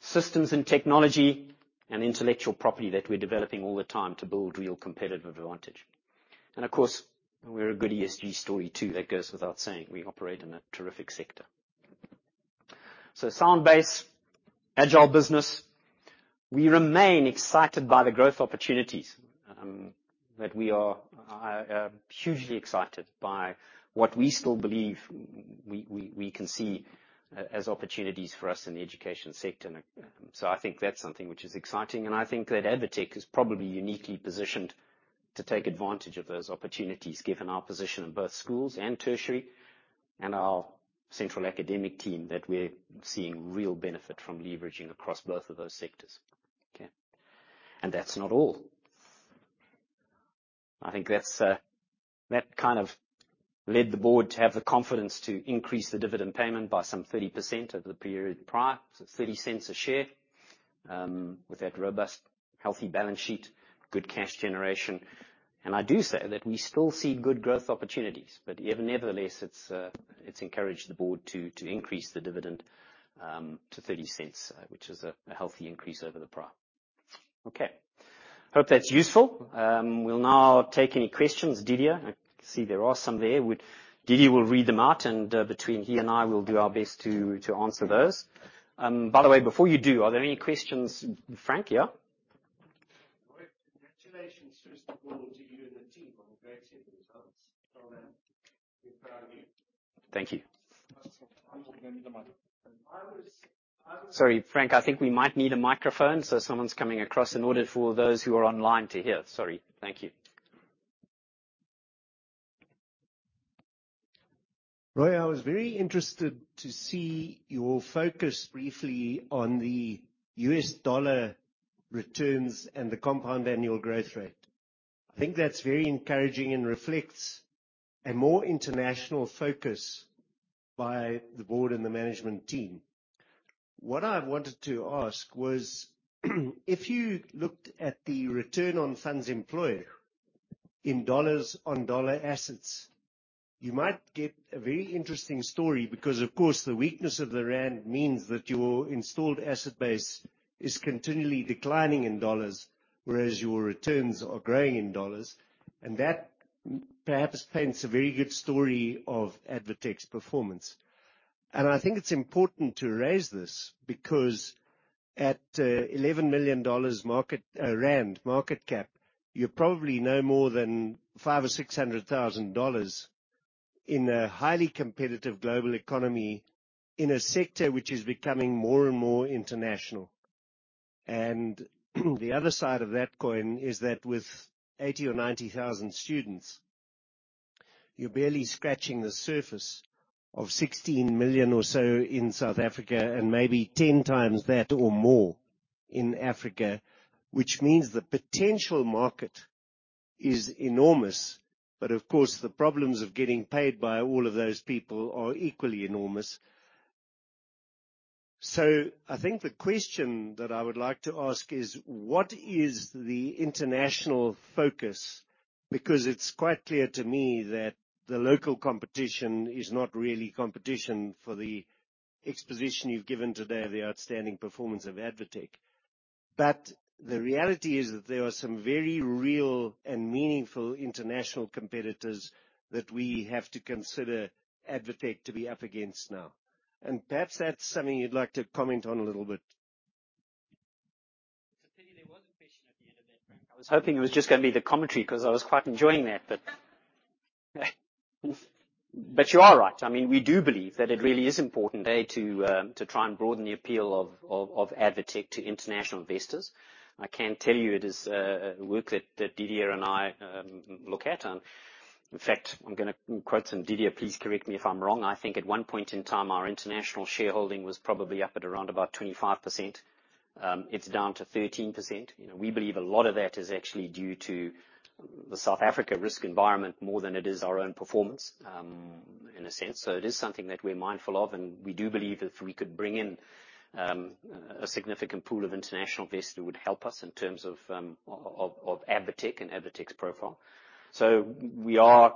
Systems and technology and intellectual property that we're developing all the time to build real competitive advantage. Of course, we're a good ESG story too. That goes without saying. We operate in a terrific sector. Sound base, agile business. We remain excited by the growth opportunities that we are hugely excited by what we still believe we can see as opportunities for us in the education sector. I think that's something which is exciting and I think that ADvTECH is probably uniquely positioned to take advantage of those opportunities, given our position in both schools and tertiary and our central academic team that we're seeing real benefit from leveraging across both of those sectors. Okay. That's not all. That kind of led the board to have the confidence to increase the dividend payment by some 30% over the prior period, to ZAR 0.30 a share, with that robust, healthy balance sheet, good cash generation. I do say that we still see good growth opportunities, but nevertheless, it's encouraged the board to increase the dividend to 0.30, which is a healthy increase over the prior. Okay. Hope that's useful. We'll now take any questions. Didier. I see there are some there. Didier will read them out, and between he and I, we'll do our best to answer those. By the way, before you do, are there any questions, Frank? Yeah. Roy, congratulations, first of all, to you and the team on the great set of results. Well done. We're proud of you. Thank you. Sorry, Frank, I think we might need a microphone so someone's coming across in order for those who are online to hear. Sorry. Thank you. Roy, I was very interested to see your focus briefly on the U.S. dollar returns and the compound annual growth rate. I think that's very encouraging and reflects a more international focus by the board and the management team. What I've wanted to ask was, if you looked at the return on funds employed in dollars on dollar assets, you might get a very interesting story because of course the weakness of the rand means that your installed asset base is continually declining in dollars, whereas your returns are growing in dollars. That perhaps paints a very good story of ADvTECH's performance. I think it's important to raise this because at ZAR 11 million market cap, you're probably no more than $0.5 million or $0.6 million in a highly competitive global economy in a sector which is becoming more and more international. The other side of that coin is that with 80,000 students or 90,000 students, you're barely scratching the surface of 16 million students or so in South Africa and maybe 10x that or more in Africa, which means the potential market is enormous. Of course, the problems of getting paid by all of those people are equally enormous. I think the question that I would like to ask is. What is the international focus? Because it's quite clear to me that the local competition is not really competition for the exposition you've given today of the outstanding performance of ADvTECH. The reality is that there are some very real and meaningful international competitors that we have to consider ADvTECH to be up against now. Perhaps that's something you'd like to comment on a little bit. To tell you there was a question at the end of that, Frank. I was hoping it was just gonna be the commentary because I was quite enjoying that, but you are right. I mean, we do believe that it really is important today to try and broaden the appeal of ADvTECH to international investors. I can tell you it is work that Didier and I look at. In fact, I'm gonna quote some. Didier, please correct me if I'm wrong. I think at one point in time, our international shareholding was probably up at around about 25%. It's down to 13%. You know, we believe a lot of that is actually due to the South Africa risk environment more than it is our own performance, in a sense. It is something that we're mindful of, and we do believe if we could bring in a significant pool of international investors would help us in terms of of ADvTECH and ADvTECH's profile. We are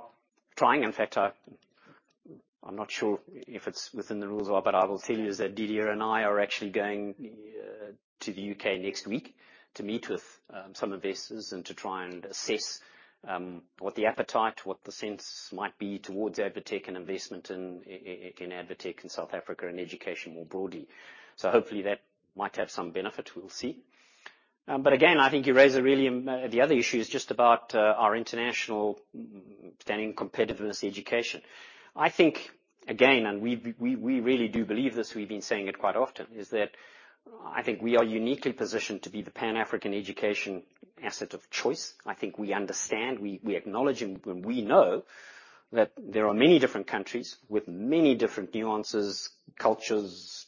trying. In fact, I'm not sure if it's within the rules or what, but I will tell you is that Didier and I are actually going to the U.K. next week to meet with some investors and to try and assess what the appetite, what the sense might be towards ADvTECH and investment in in ADvTECH in South Africa and education more broadly. Hopefully, that might have some benefit. We'll see. But again, I think you raise a really the other issue is just about our international standing competitiveness education. I think again, and we really do believe this. We've been saying it quite often, is that I think we are uniquely positioned to be the Pan-African education asset of choice. I think we understand, we acknowledge and we know that there are many different countries with many different nuances, cultures,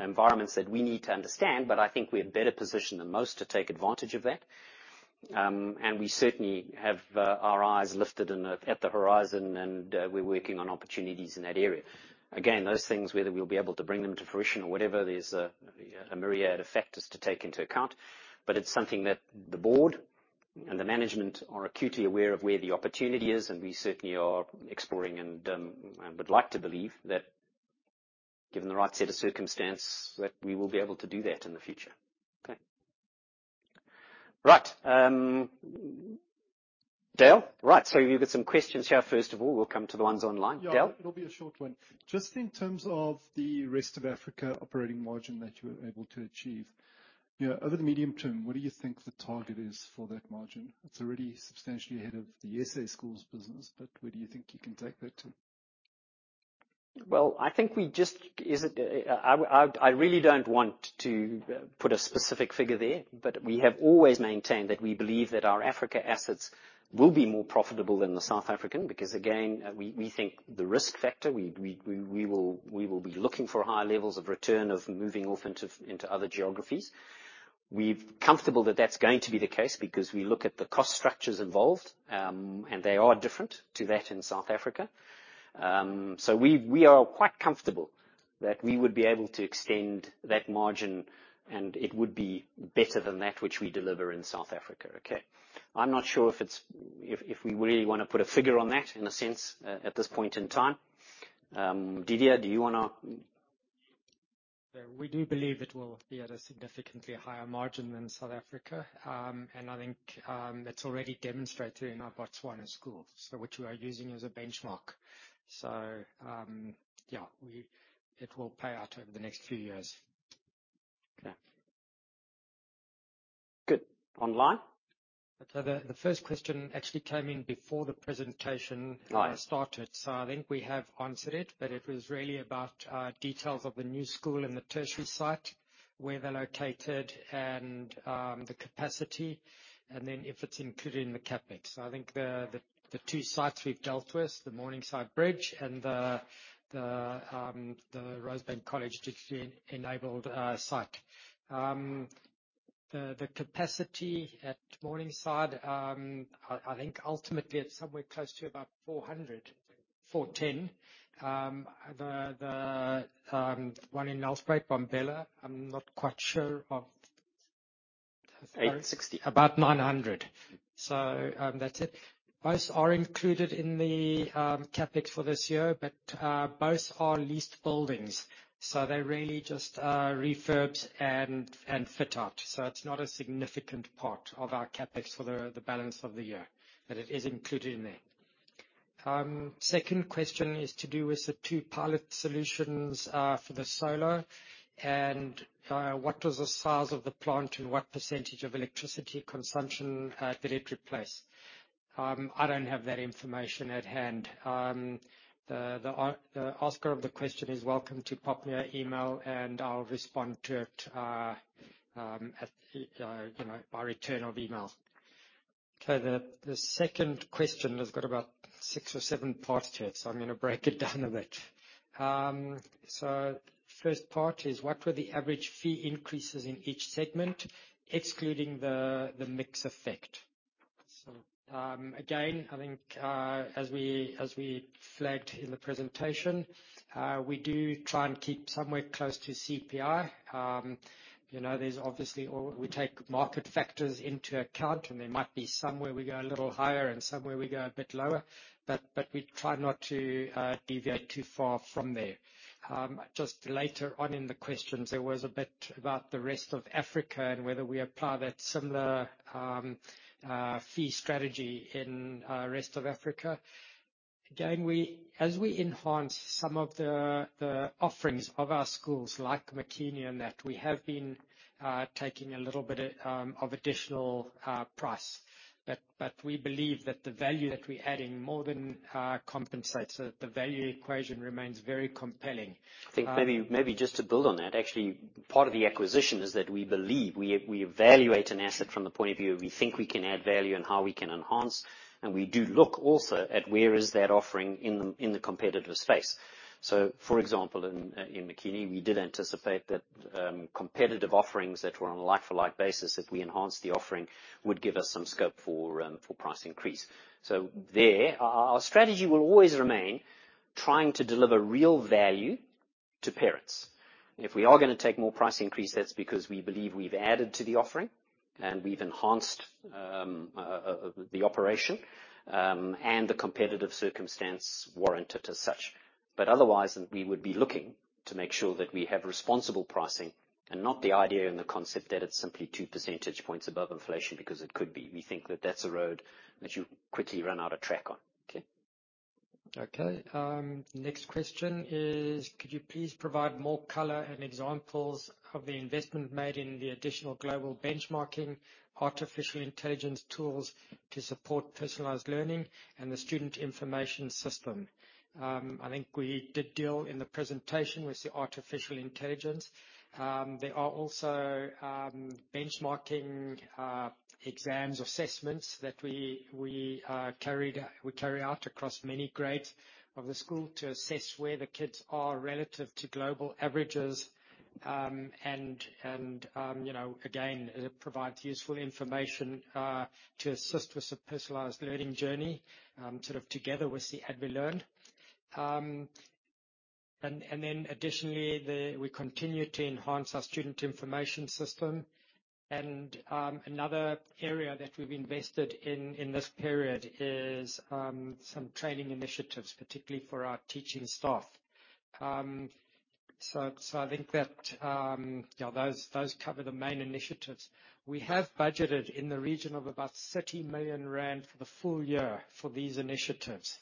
environments that we need to understand. I think we're better positioned than most to take advantage of that. We certainly have our eyes lifted and at the horizon and we're working on opportunities in that area. Again, those things, whether we'll be able to bring them to fruition or whatever, there's a myriad of factors to take into account. It's something that the board and the management are acutely aware of where the opportunity is, and we certainly are exploring and would like to believe that given the right set of circumstances, that we will be able to do that in the future. Okay. Right. Dale? Right. So you've got some questions here first of all. We'll come to the ones online. Dale? Yeah. It'll be a short one. Just in terms of the rest of Africa operating margin that you were able to achieve. You know, over the medium term, what do you think the target is for that margin? It's already substantially ahead of the SA schools business, but where do you think you can take that to? I really don't want to put a specific figure there, but we have always maintained that we believe that our African assets will be more profitable than the South African, because again, we think the risk factor, we will be looking for higher levels of return on moving into other geographies. We're comfortable that that's going to be the case because we look at the cost structures involved, and they are different to that in South Africa. We are quite comfortable that we would be able to extend that margin and it would be better than that which we deliver in South Africa. Okay. I'm not sure if we really want to put a figure on that in a sense, at this point in time. Didier, do you wanna? We do believe it will be at a significantly higher margin than South Africa. I think it's already demonstrated in our Botswana schools, which we are using as a benchmark. It will pay out over the next few years. Okay. Good. Online? The first question actually came in before the presentation. Right Started. I think we have answered it, but it was really about details of the new school and the tertiary site, where they're located and the capacity, and then if it's included in the CapEx. I think the two sites we've dealt with, the Morningside Bridge and the Rosebank College digitally enabled site. The capacity at Morningside I think ultimately it's somewhere close to about 400 students, 410 students. The one in Nelspruit, Mbombela, I'm not quite sure of, about 900 students. That's it. Both are included in the CapEx for this year, but both are leased buildings. They really just refurbs and fit out. It's not a significant part of our CapEx for the balance of the year, but it is included in there. Second question is to do with the two pilot solutions for the solar and what was the size of the plant and what percentage of electricity consumption did it replace? I don't have that information at hand. The asker of the question is welcome to pop me an email and I'll respond to it, you know, by return of email. Okay, the second question has got about six or seven parts to it, so I'm gonna break it down a bit. First part is what were the average fee increases in each segment, excluding the mix effect? Again, I think, as we flagged in the presentation, we do try and keep somewhere close to CPI. You know, there's obviously or we take market factors into account, and there might be somewhere we go a little higher and somewhere we go a bit lower. We try not to deviate too far from there. Just later on in the questions, there was a bit about the rest of Africa and whether we apply that similar fee strategy in rest of Africa. Again, as we enhance some of the offerings of our schools like Makini and that we have been taking a little bit of additional price. We believe that the value that we're adding more than compensates, so the value equation remains very compelling. I think maybe just to build on that. Actually, part of the acquisition is that we believe we evaluate an asset from the point of view of we think we can add value and how we can enhance. We do look also at where is that offering in the competitive space. For example, in Makini, we did anticipate that competitive offerings that were on a like for like basis, if we enhanced the offering, would give us some scope for price increase. There, our strategy will always remain trying to deliver real value to parents. If we are gonna take more price increase, that's because we believe we've added to the offering and we've enhanced the operation and the competitive circumstance warranted as such. Otherwise, we would be looking to make sure that we have responsible pricing and not the idea and the concept that it's simply two percentage points above inflation, because it could be. We think that that's a road that you quickly run out of track on. Okay. Okay. Next question is, could you please provide more color and examples of the investment made in the additional global benchmarking artificial intelligence tools to support personalized learning and the student information system? I think we did deal in the presentation with the artificial intelligence. There are also benchmarking exams, assessments that we carry out across many grades of the school to assess where the kids are relative to global averages. You know, again, it provides useful information to assist with the personalized learning journey, sort of together with the ADvLEARN. We continue to enhance our student information system. Another area that we've invested in this period is some training initiatives, particularly for our teaching staff. I think that, you know, those cover the main initiatives. We have budgeted in the region of about 30 million rand for the full year for these initiatives,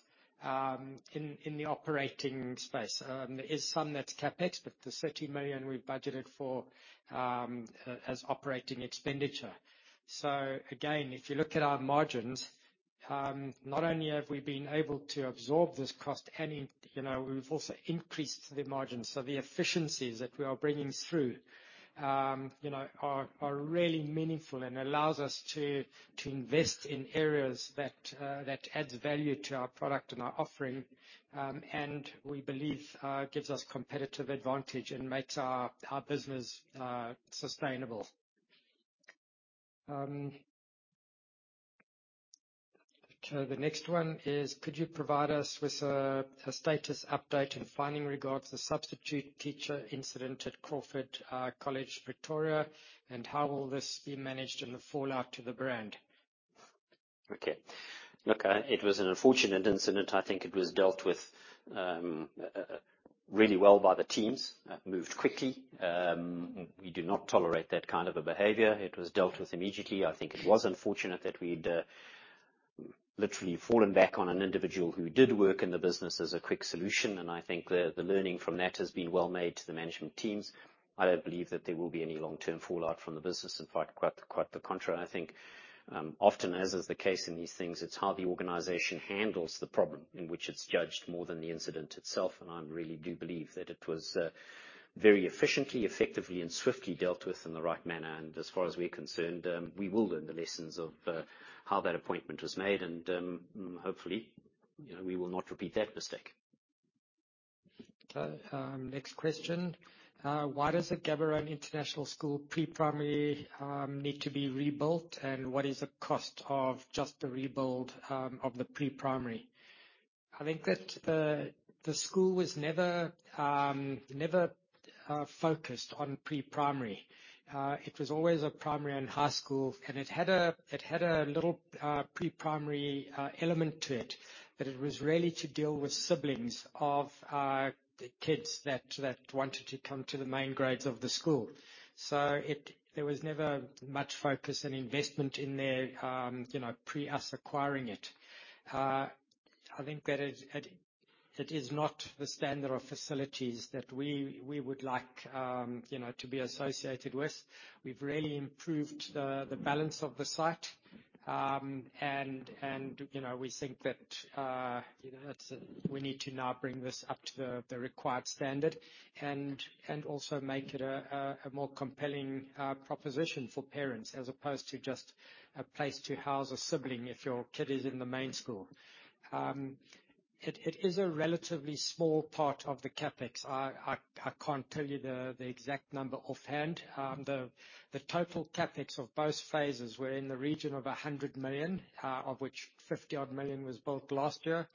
in the operating space. There is some that's CapEx, but the 30 million we've budgeted for, as operating expenditure. Again, if you look at our margins, not only have we been able to absorb this cost and you know, we've also increased the margins. The efficiencies that we are bringing through, you know, are really meaningful and allows us to invest in areas that adds value to our product and our offering, and we believe, gives us competitive advantage and makes our business, sustainable. Okay, the next one is: Could you provide us with a status update and findings regarding the substitute teacher incident at Crawford College, Victoria, and how will this be managed and the fallout to the brand? Okay. Look, it was an unfortunate incident. I think it was dealt with really well by the teams. Moved quickly. We do not tolerate that kind of a behavior. It was dealt with immediately. I think it was unfortunate that we'd literally fallen back on an individual who did work in the business as a quick solution, and I think the learning from that has been well made to the management teams. I don't believe that there will be any long-term fallout from the business. In fact, quite the contrary. I think often, as is the case in these things, it's how the organization handles the problem in which it's judged more than the incident itself, and I really do believe that it was very efficiently, effectively, and swiftly dealt with in the right manner. As far as we're concerned, we will learn the lessons of how that appointment was made. Hopefully, you know, we will not repeat that mistake. Okay. Next question. Why does the Gaborone International School pre-primary need to be rebuilt? What is the cost of just the rebuild of the pre-primary? I think that the school was never focused on pre-primary. It was always a primary and high school, and it had a little pre-primary element to it. But it was really to deal with siblings of the kids that wanted to come to the main grades of the school. There was never much focus and investment in there, you know, pre us acquiring it. I think that it is not the standard of facilities that we would like, you know, to be associated with. We've really improved the balance of the site. You know, we think that we need to now bring this up to the required standard and also make it a more compelling proposition for parents, as opposed to just a place to house a sibling if your kid is in the main school. It is a relatively small part of the CapEx. I can't tell you the exact number offhand. The total CapEx of both phases were in the region of 100 million, of which 50-odd million was built last year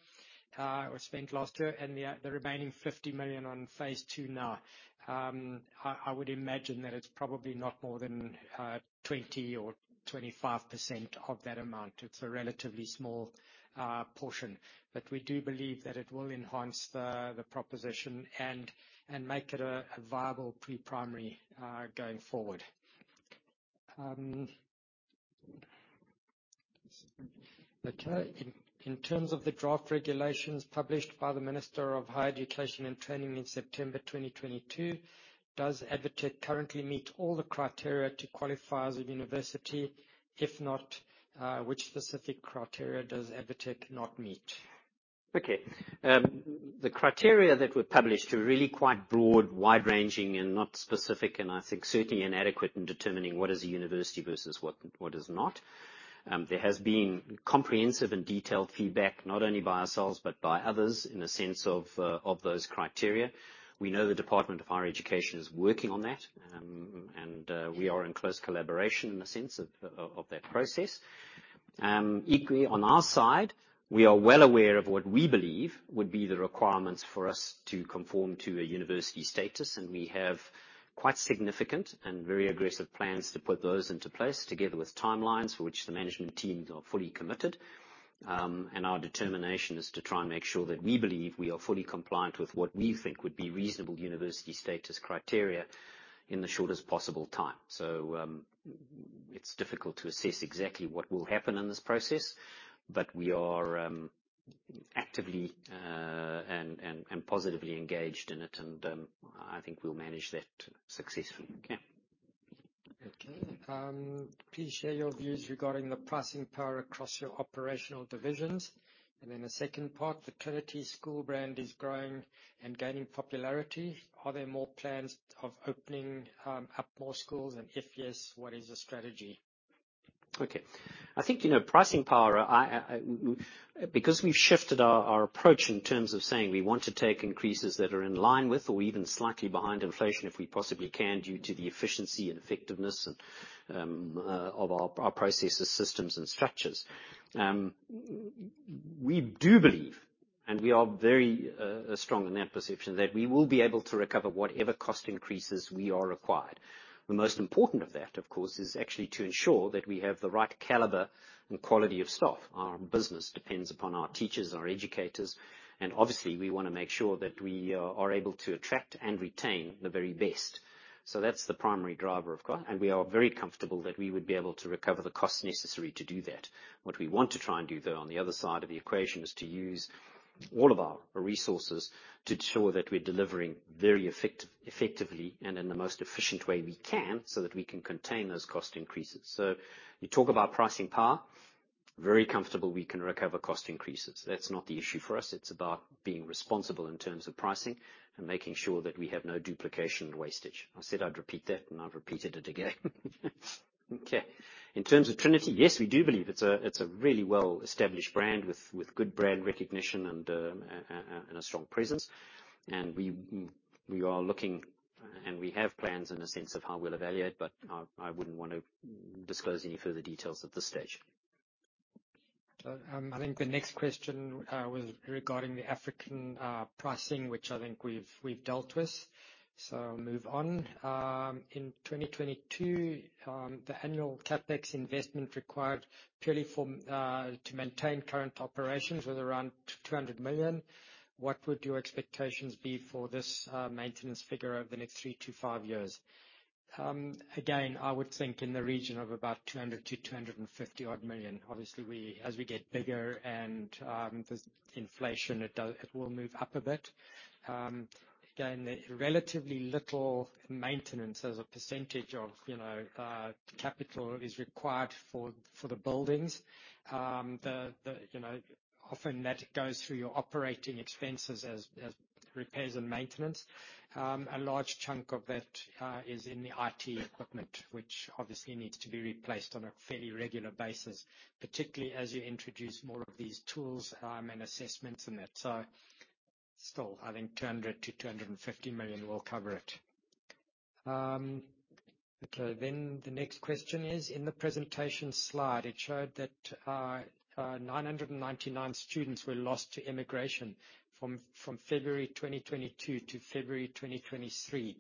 or spent last year, and the remaining 50 million on phase II now. I would imagine that it's probably not more than 20% or 25% of that amount. It's a relatively small portion. We do believe that it will enhance the proposition and make it a viable pre-primary going forward. In terms of the draft regulations published by the Minister of Higher Education and Training in September 2022, does ADvTECH currently meet all the criteria to qualify as a university? If not, which specific criteria does ADvTECH not meet? Okay. The criteria that were published were really quite broad, wide-ranging, and not specific, and I think certainly inadequate in determining what is a university versus what is not. There has been comprehensive and detailed feedback, not only by ourselves, but by others in the sense of those criteria. We know the Department of Higher Education is working on that. We are in close collaboration in the sense of that process. Equally on our side, we are well aware of what we believe would be the requirements for us to conform to a university status, and we have quite significant and very aggressive plans to put those into place, together with timelines for which the management teams are fully committed. Our determination is to try and make sure that we believe we are fully compliant with what we think would be reasonable university status criteria in the shortest possible time. It's difficult to assess exactly what will happen in this process, but we are actively and positively engaged in it and I think we'll manage that successfully. Please share your views regarding the pricing power across your operational divisions. The second part, the Trinity School brand is growing and gaining popularity. Are there more plans of opening up more schools? If yes, what is the strategy? Okay. I think, you know, pricing power, I, because we've shifted our approach in terms of saying we want to take increases that are in line with or even slightly behind inflation, if we possibly can, due to the efficiency and effectiveness and of our processes, systems, and structures. We do believe we are very strong in that perception that we will be able to recover whatever cost increases we are required. The most important of that, of course, is actually to ensure that we have the right caliber and quality of staff. Our business depends upon our teachers and our educators, and obviously, we wanna make sure that we are able to attract and retain the very best. That's the primary driver, of course, and we are very comfortable that we would be able to recover the costs necessary to do that. What we want to try and do, though, on the other side of the equation, is to use all of our resources to ensure that we're delivering very effectively and in the most efficient way we can so that we can contain those cost increases. You talk about pricing power. Very comfortable we can recover cost increases. That's not the issue for us. It's about being responsible in terms of pricing and making sure that we have no duplication and wastage. I said I'd repeat that, and I've repeated it again. Okay. In terms of Trinity, yes, we do believe it's a really well-established brand with good brand recognition and a strong presence. We are looking and we have plans in the sense of how we'll evaluate, but I wouldn't want to disclose any further details at this stage. I think the next question was regarding the African pricing, which I think we've dealt with. Move on. In 2022, the annual CapEx investment required purely for to maintain current operations was around 200 million. What would your expectations be for this maintenance figure over the next 3 years-5 years? Again, I would think in the region of about 200 million-250-odd million. Obviously, as we get bigger and there's inflation, it will move up a bit. Again, relatively little maintenance as a percentage of, you know, capital is required for the buildings. The you know often that goes through your operating expenses as repairs and maintenance. A large chunk of that is in the IT equipment, which obviously needs to be replaced on a fairly regular basis, particularly as you introduce more of these tools and assessments and that. Still, I think 200 million-250 million will cover it. Okay, the next question is, in the presentation slide, it showed that 999 students were lost to immigration from February 2022 to February 2023.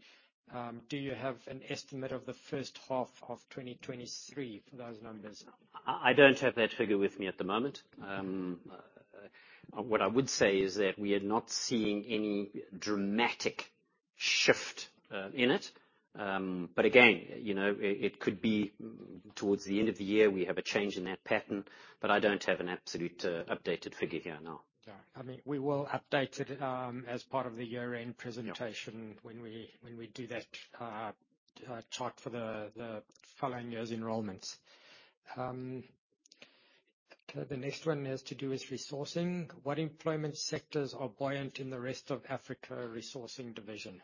Do you have an estimate of the first half of 2023 for those numbers? I don't have that figure with me at the moment. What I would say is that we are not seeing any dramatic shift in it. Again, you know, it could be towards the end of the year, we have a change in that pattern, but I don't have an absolute updated figure here, no. I mean, we will update it, as part of the year-end presentation. Yeah. When we do that chart for the following year's enrollments. Okay, the next one has to do with resourcing. What employment sectors are buoyant in the rest of Africa, Resourcing Division?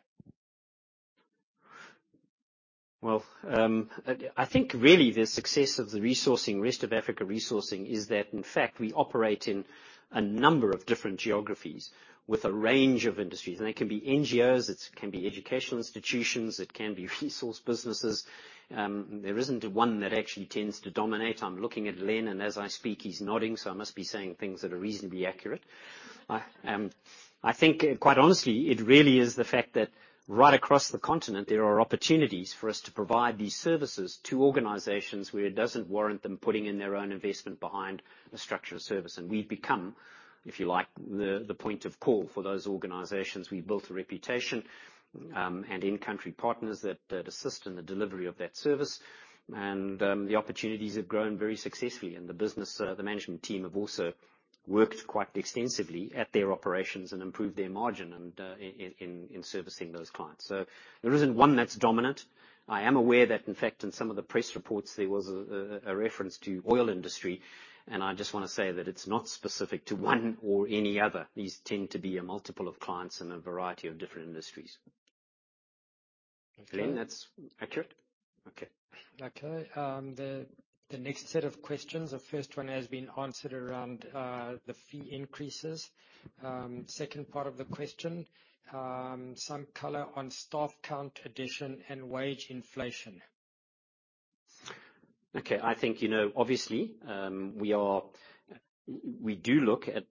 I think really the success of the resourcing, rest of Africa resourcing is that, in fact, we operate in a number of different geographies with a range of industries. It can be NGOs, it can be educational institutions, it can be resource businesses. There isn't one that actually tends to dominate. I'm looking at Lenn, and as I speak, he's nodding, so I must be saying things that are reasonably accurate. I think quite honestly, it really is the fact that right across the continent, there are opportunities for us to provide these services to organizations where it doesn't warrant them putting in their own investment behind the structure of service. We've become, if you like, the point of call for those organizations. We've built a reputation, and in-country partners that assist in the delivery of that service. The opportunities have grown very successfully. The business, the management team have also worked quite extensively at their operations and improved their margin and in servicing those clients. There isn't one that's dominant. I am aware that, in fact, in some of the press reports, there was a reference to oil industry, and I just wanna say that it's not specific to one or any other. These tend to be a multiple of clients in a variety of different industries. Okay. Lenn, that's accurate? Okay. Okay. The next set of questions. The first one has been answered around the fee increases. Second part of the question, some color on staff count addition and wage inflation. Okay. I think, you know, obviously, we do look at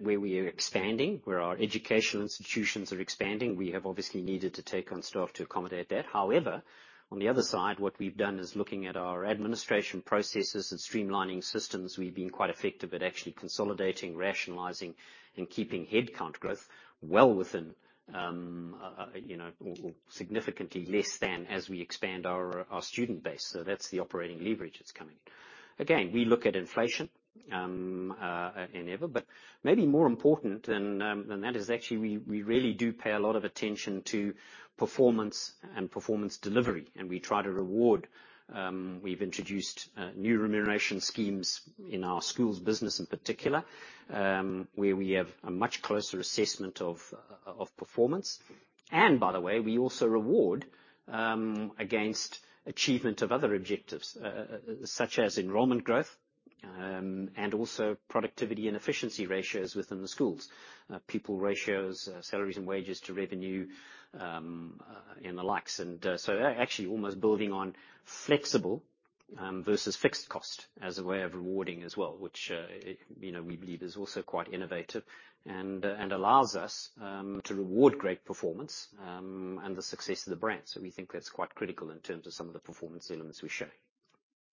where we are expanding, where our educational institutions are expanding. We have obviously needed to take on staff to accommodate that. However, on the other side, what we've done is looking at our administration processes and streamlining systems. We've been quite effective at actually consolidating, rationalizing, and keeping headcount growth well within, you know, or significantly less than as we expand our student base. That's the operating leverage that's coming. Again, we look at inflation. Maybe more important than that is actually we really do pay a lot of attention to performance and performance delivery, and we try to reward. We've introduced new remuneration schemes in our schools business in particular, where we have a much closer assessment of performance. By the way, we also reward against achievement of other objectives, such as enrollment growth, and also productivity and efficiency ratios within the schools. People ratios, salaries and wages to revenue, and the likes. Actually almost building on versus fixed cost as a way of rewarding as well, which, it, you know, we believe is also quite innovative and allows us to reward great performance and the success of the brand. We think that's quite critical in terms of some of the performance elements we're showing.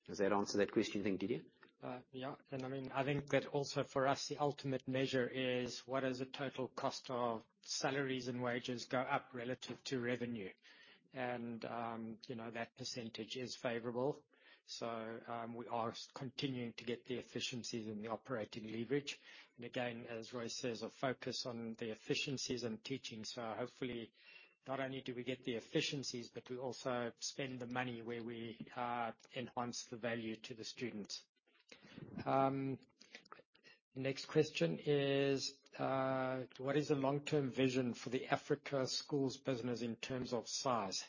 Does that answer that question, do you think, Didier? Yeah. I mean, I think that also for us, the ultimate measure is what does the total cost of salaries and wages go up relative to revenue. You know, that percentage is favorable. We are continuing to get the efficiencies and the operating leverage. Again, as Roy says, a focus on the efficiencies and teaching. Hopefully, not only do we get the efficiencies, but we also spend the money where we enhance the value to the students. Next question is, what is the long-term vision for the Africa Schools business in terms of size?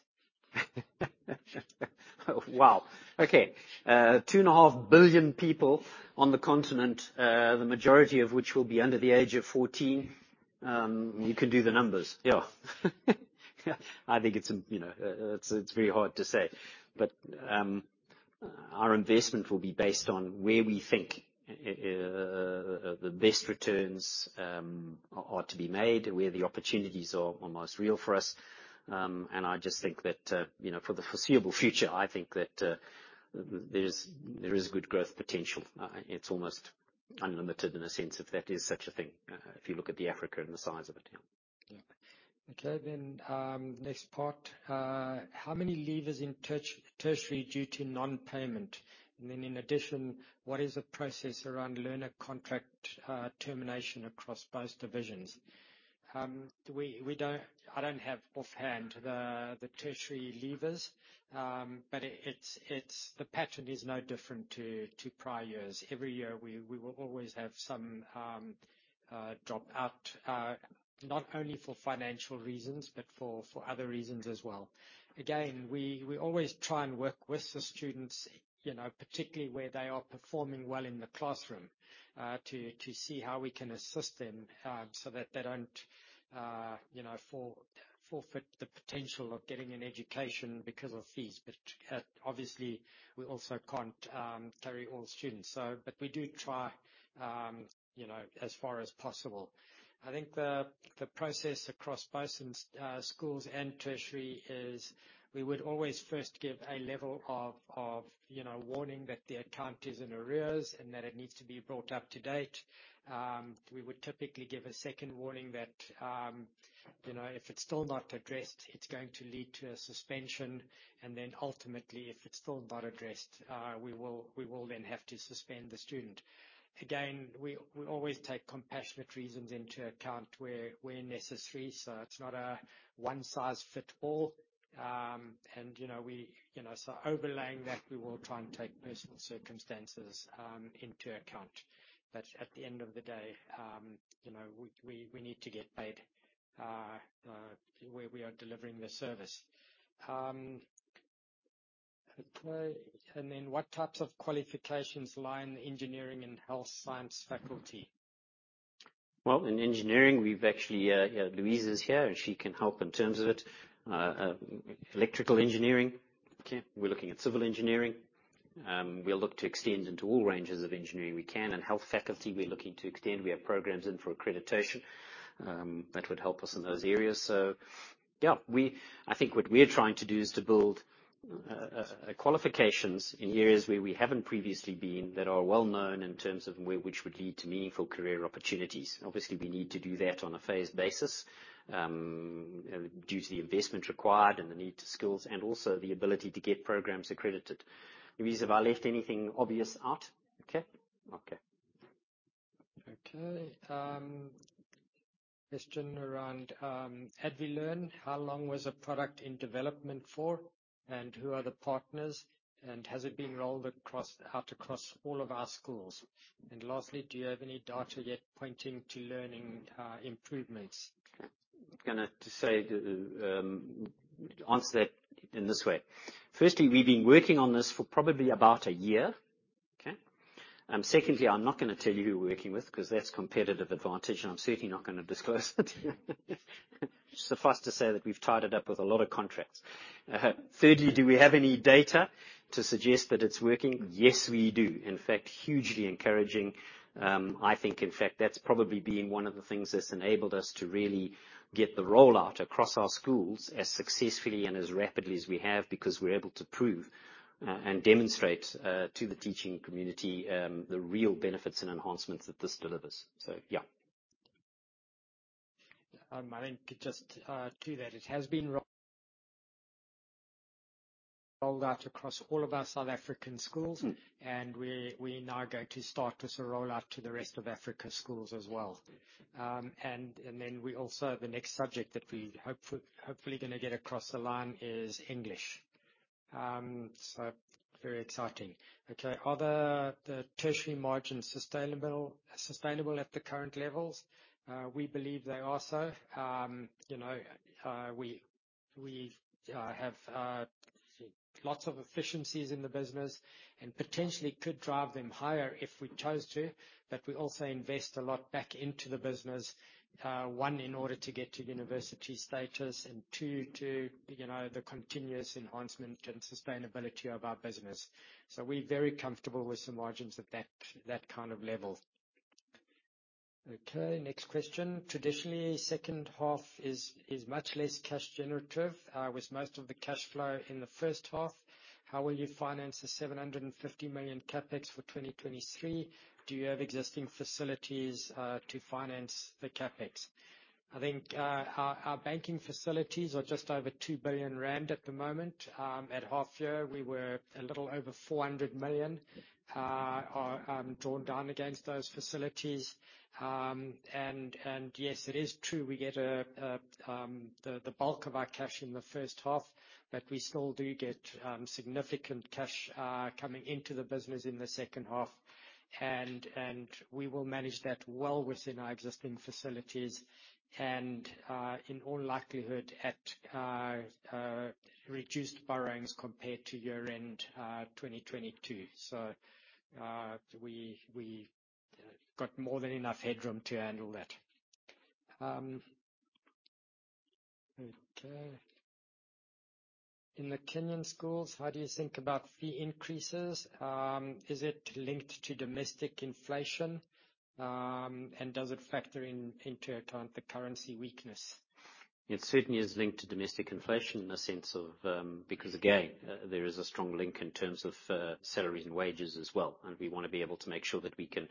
Wow. Okay. 2.5 billion people on the continent, the majority of which will be under the age of 14. You can do the numbers. I think it's, you know, it's very hard to say. Our investment will be based on where we think the best returns are to be made, where the opportunities are almost real for us. I just think that, you know, for the foreseeable future, I think that there is good growth potential. It's almost unlimited in a sense, if that is such a thing, if you look at Africa and the size of it. Okay. Then, next part. How many leavers in tertiary due to non-payment? In addition, what is the process around learner contract termination across both divisions? I don't have offhand the tertiary leavers. The pattern is no different to prior years. Every year, we will always have some drop out, not only for financial reasons, but for other reasons as well. Again, we always try and work with the students, you know, particularly where they are performing well in the classroom, to see how we can assist them, so that they don't, you know, forfeit the potential of getting an education because of fees. Obviously, we also can't carry all students. But we do try, you know, as far as possible. I think the process across both schools and tertiary is we would always first give a level of you know warning that the account is in arrears and that it needs to be brought up to date. We would typically give a second warning that you know if it's still not addressed, it's going to lead to a suspension, and then ultimately, if it's still not addressed, we will then have to suspend the student. Again, we always take compassionate reasons into account where necessary. It's not a one size fits all. Overlaying that, we will try and take personal circumstances into account. At the end of the day, we need to get paid where we are delivering the service. Okay. What types of qualifications lie in engineering and health science faculty? Well, in engineering, we've actually, Louise is here, and she can help in terms of it. Electrical engineering. Okay. We're looking at civil engineering. We'll look to extend into all ranges of engineering we can. In health faculty, we're looking to extend. We have programs in for accreditation that would help us in those areas. I think what we're trying to do is to build qualifications in areas where we haven't previously been that are well-known in terms of where which would lead to meaningful career opportunities. Obviously, we need to do that on a phased basis due to the investment required and the need to skills and also the ability to get programs accredited. Louise, have I left anything obvious out? Okay? Okay. Okay. Question around ADvLEARN, how long was the product in development for, and who are the partners, and has it been rolled out across all of our schools? Lastly, do you have any data yet pointing to learning improvements? Answer that in this way. Firstly, we've been working on this for probably about a year. Okay. Secondly, I'm not gonna tell you who we're working with 'cause that's competitive advantage, and I'm certainly not gonna disclose that. Suffice to say that we've tied it up with a lot of contracts. Thirdly, do we have any data to suggest that it's working? Yes, we do. In fact, hugely encouraging. I think in fact, that's probably been one of the things that's enabled us to really get the rollout across our schools as successfully and as rapidly as we have because we're able to prove and demonstrate to the teaching community the real benefits and enhancements that this delivers. Yeah. I think just to that, it has been rolled out across all of our South African schools, and we're now going to start with a rollout to the rest of Africa schools as well. We also, the next subject that we hopefully gonna get across the line is English. Very exciting. Okay. Are the tertiary margins sustainable at the current levels? We believe they are so. You know, we have lots of efficiencies in the business and potentially could drive them higher if we chose to, but we also invest a lot back into the business, one, in order to get to university status, and two, to, you know, the continuous enhancement and sustainability of our business. We're very comfortable with the margins at that kind of level. Okay, next question. Traditionally, second half is much less cash generative, with most of the cash flow in the first half. How will you finance the 750 million CapEx for 2023? Do you have existing facilities to finance the CapEx? I think, our banking facilities are just over 2 billion rand at the moment. At half year, we were a little over 400 million drawn down against those facilities. Yes, it is true we get the bulk of our cash in the first half, but we still do get significant cash coming into the business in the second half. We will manage that well within our existing facilities and, in all likelihood at reduced borrowings compared to year-end 2022. We got more than enough headroom to handle that. Okay. In the Kenyan schools, how do you think about fee increases? Is it linked to domestic inflation, and does it factor into account the currency weakness? It certainly is linked to domestic inflation in a sense of, because again, there is a strong link in terms of, salaries and wages as well. We wanna be able to make sure that we can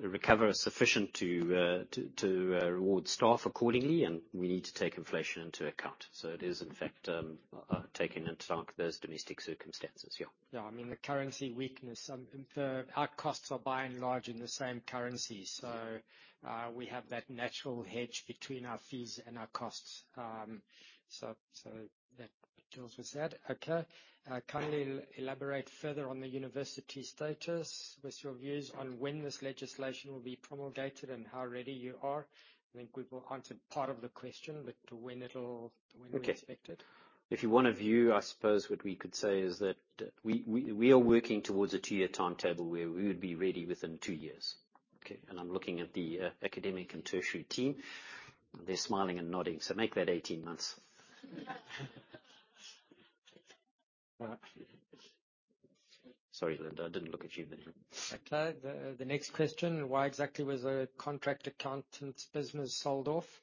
recover sufficient to reward staff accordingly, and we need to take inflation into account. It is in fact taken into account those domestic circumstances. Yeah. Yeah, I mean, the currency weakness. Our costs are by and large in the same currency. We have that natural hedge between our fees and our costs. That deals with that. Okay. Can you elaborate further on the university status with your views on when this legislation will be promulgated and how ready you are? I think we've all answered part of the question, but when you expect it. Okay. If you wanna view, I suppose what we could say is that we are working towards a 2-year timetable where we would be ready within 2 years. Okay. I'm looking at the academic and tertiary team. They're smiling and nodding, so make that 18 months. Sorry, Linda, I didn't look at you then. Okay. The next question, why exactly was the Contract Accountants business sold off?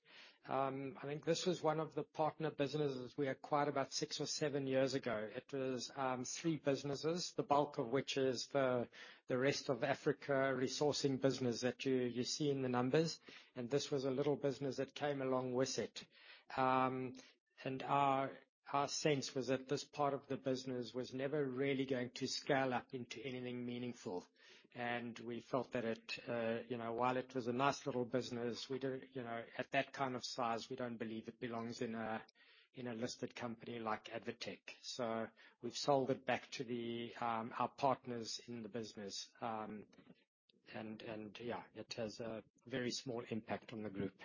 I think this was one of the partner businesses we acquired about six or seven years ago. It was three businesses, the bulk of which is the rest of Africa resourcing business that you see in the numbers. This was a little business that came along with it. Our sense was that this part of the business was never really going to scale up into anything meaningful. We felt that it, you know, while it was a nice little business, we don't, you know, at that kind of size, we don't believe it belongs in a listed company like ADvTECH. We've sold it back to our partners in the business. It has a very small impact on the group.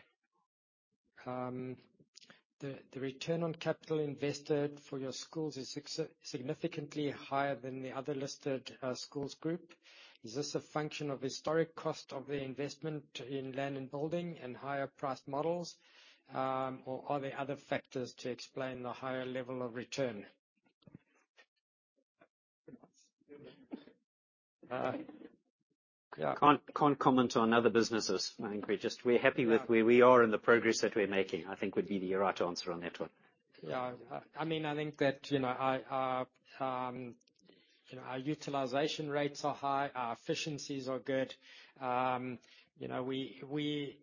The return on capital invested for your schools is significantly higher than the other listed schools group. Is this a function of historic cost of the investment in land and building and higher priced models? Or are there other factors to explain the higher level of return? Can't comment on other businesses. I think we're just, we're happy with where we are and the progress that we're making. I think would be the right answer on that one. Yeah. I mean, I think that, you know, our utilization rates are high, our efficiencies are good. You know, we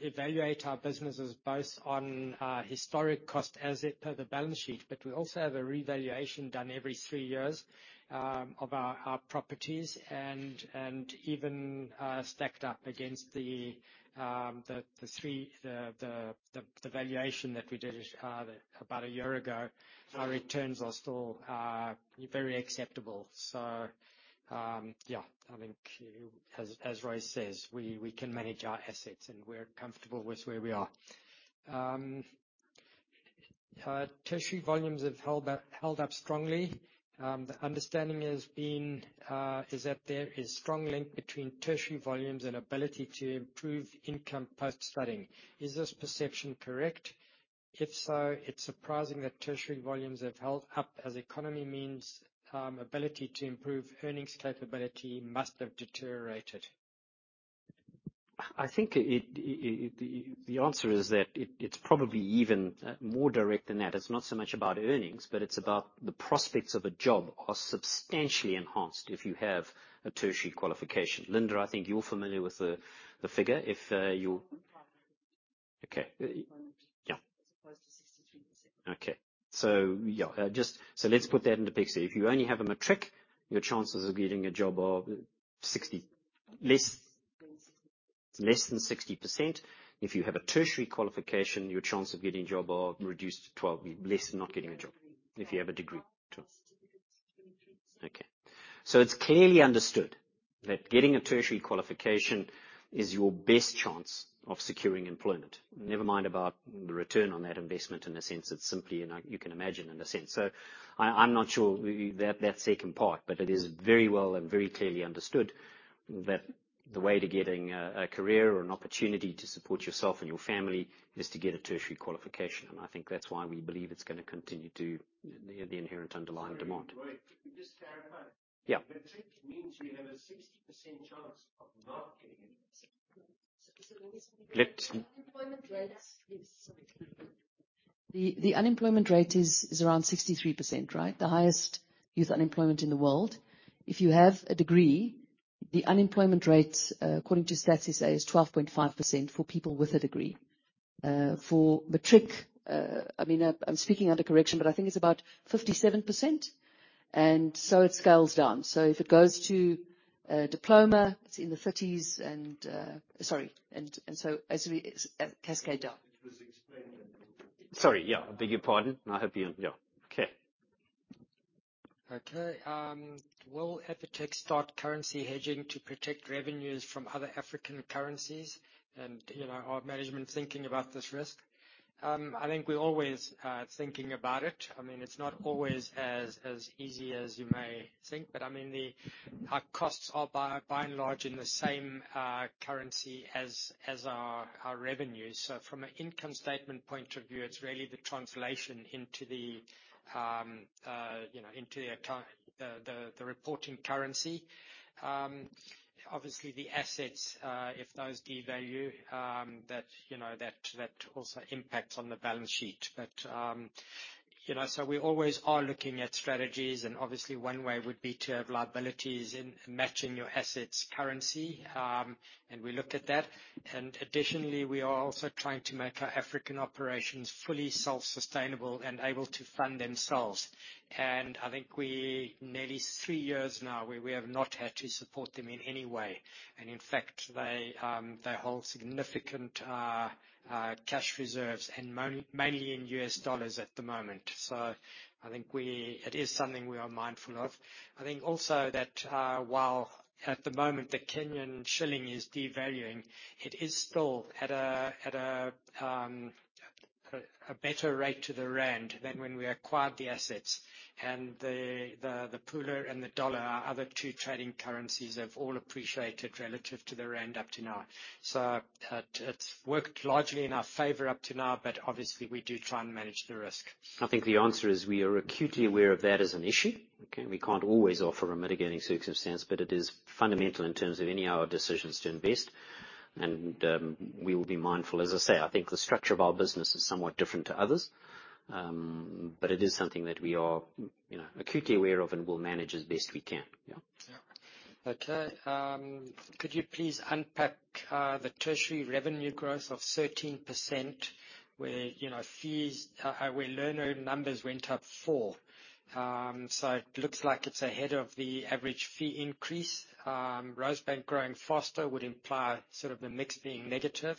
evaluate our businesses both on historic cost as per the balance sheet, but we also have a revaluation done every three years of our properties. Even stacked up against the valuation that we did about a year ago, our returns are still very acceptable. Yeah, I think as Roy says, we can manage our assets, and we're comfortable with where we are. Tertiary volumes have held up strongly. The understanding is that there is strong link between tertiary volumes and ability to improve income post-studying. Is this perception correct? If so, it's surprising that tertiary volumes have held up as economic means, ability to improve earnings capability must have deteriorated. I think the answer is that it's probably even more direct than that. It's not so much about earnings, but it's about the prospects of a job are substantially enhanced if you have a tertiary qualification. Linda, I think you're familiar with the figure? <audio distortion> Let's put that into perspective. If you only have a matric, your chances of getting a job are less than 60%. If you have a tertiary qualification, your chance of getting a job are reduced to 12%, less than not getting a job. If you have a degree. Certificate. It's clearly understood that getting a tertiary qualification is your best chance of securing employment. Never mind about the return on that investment in a sense. It's simply, and you can imagine in a sense. I'm not sure that second part, but it is very well and very clearly understood that the way to getting a career or an opportunity to support yourself and your family is to get a tertiary qualification. I think that's why we believe it's gonna continue to the inherent underlying demand. Yeah Matric means you have a 60% chance of not getting in. The unemployment rate is around 63%, right? The highest youth unemployment in the world. If you have a degree, the unemployment rate, according to Stats SA, is 12.5% for people with a degree. For matric, I mean, I'm speaking under correction, but I think it's about 57%, and it scales down. If it goes to a diploma, it's in the 30%s, and as we cascade down. Sorry. Yeah. I beg your pardon. Yeah. Okay. Okay. Will ADvTECH start currency hedging to protect revenues from other African currencies? You know, are management thinking about this risk? I think we're always thinking about it. I mean, it's not always as easy as you may think, but I mean, our costs are by and large in the same currency as our revenues. From an income statement point of view, it's really the translation into the reporting currency. Obviously the assets, if those devalue, that also impacts on the balance sheet. You know, we always are looking at strategies and obviously one way would be to have liabilities in matching your assets currency. We looked at that. Additionally, we are also trying to make our African operations fully self-sustainable and able to fund themselves. I think nearly 3 years now, we have not had to support them in any way. In fact, they hold significant cash reserves and mainly in U.S. dollars at the moment. I think it is something we are mindful of. I think also that, while at the moment the Kenyan shilling is devaluing, it is still at a better rate to the rand than when we acquired the assets. The pula and the dollar, our other two trading currencies, have all appreciated relative to the rand up to now. It's worked largely in our favor up to now, but obviously we do try and manage the risk. I think the answer is we are acutely aware of that as an issue. Okay? We can't always offer a mitigating circumstance, but it is fundamental in terms of any of our decisions to invest. We will be mindful. As I say, I think the structure of our business is somewhat different to others. It is something that we are, you know, acutely aware of and will manage as best we can. Yeah. Could you please unpack the tertiary revenue growth of 13% where, you know, learner numbers went up 4%? It looks like it's ahead of the average fee increase. Rosebank growing faster would imply sort of the mix being negative.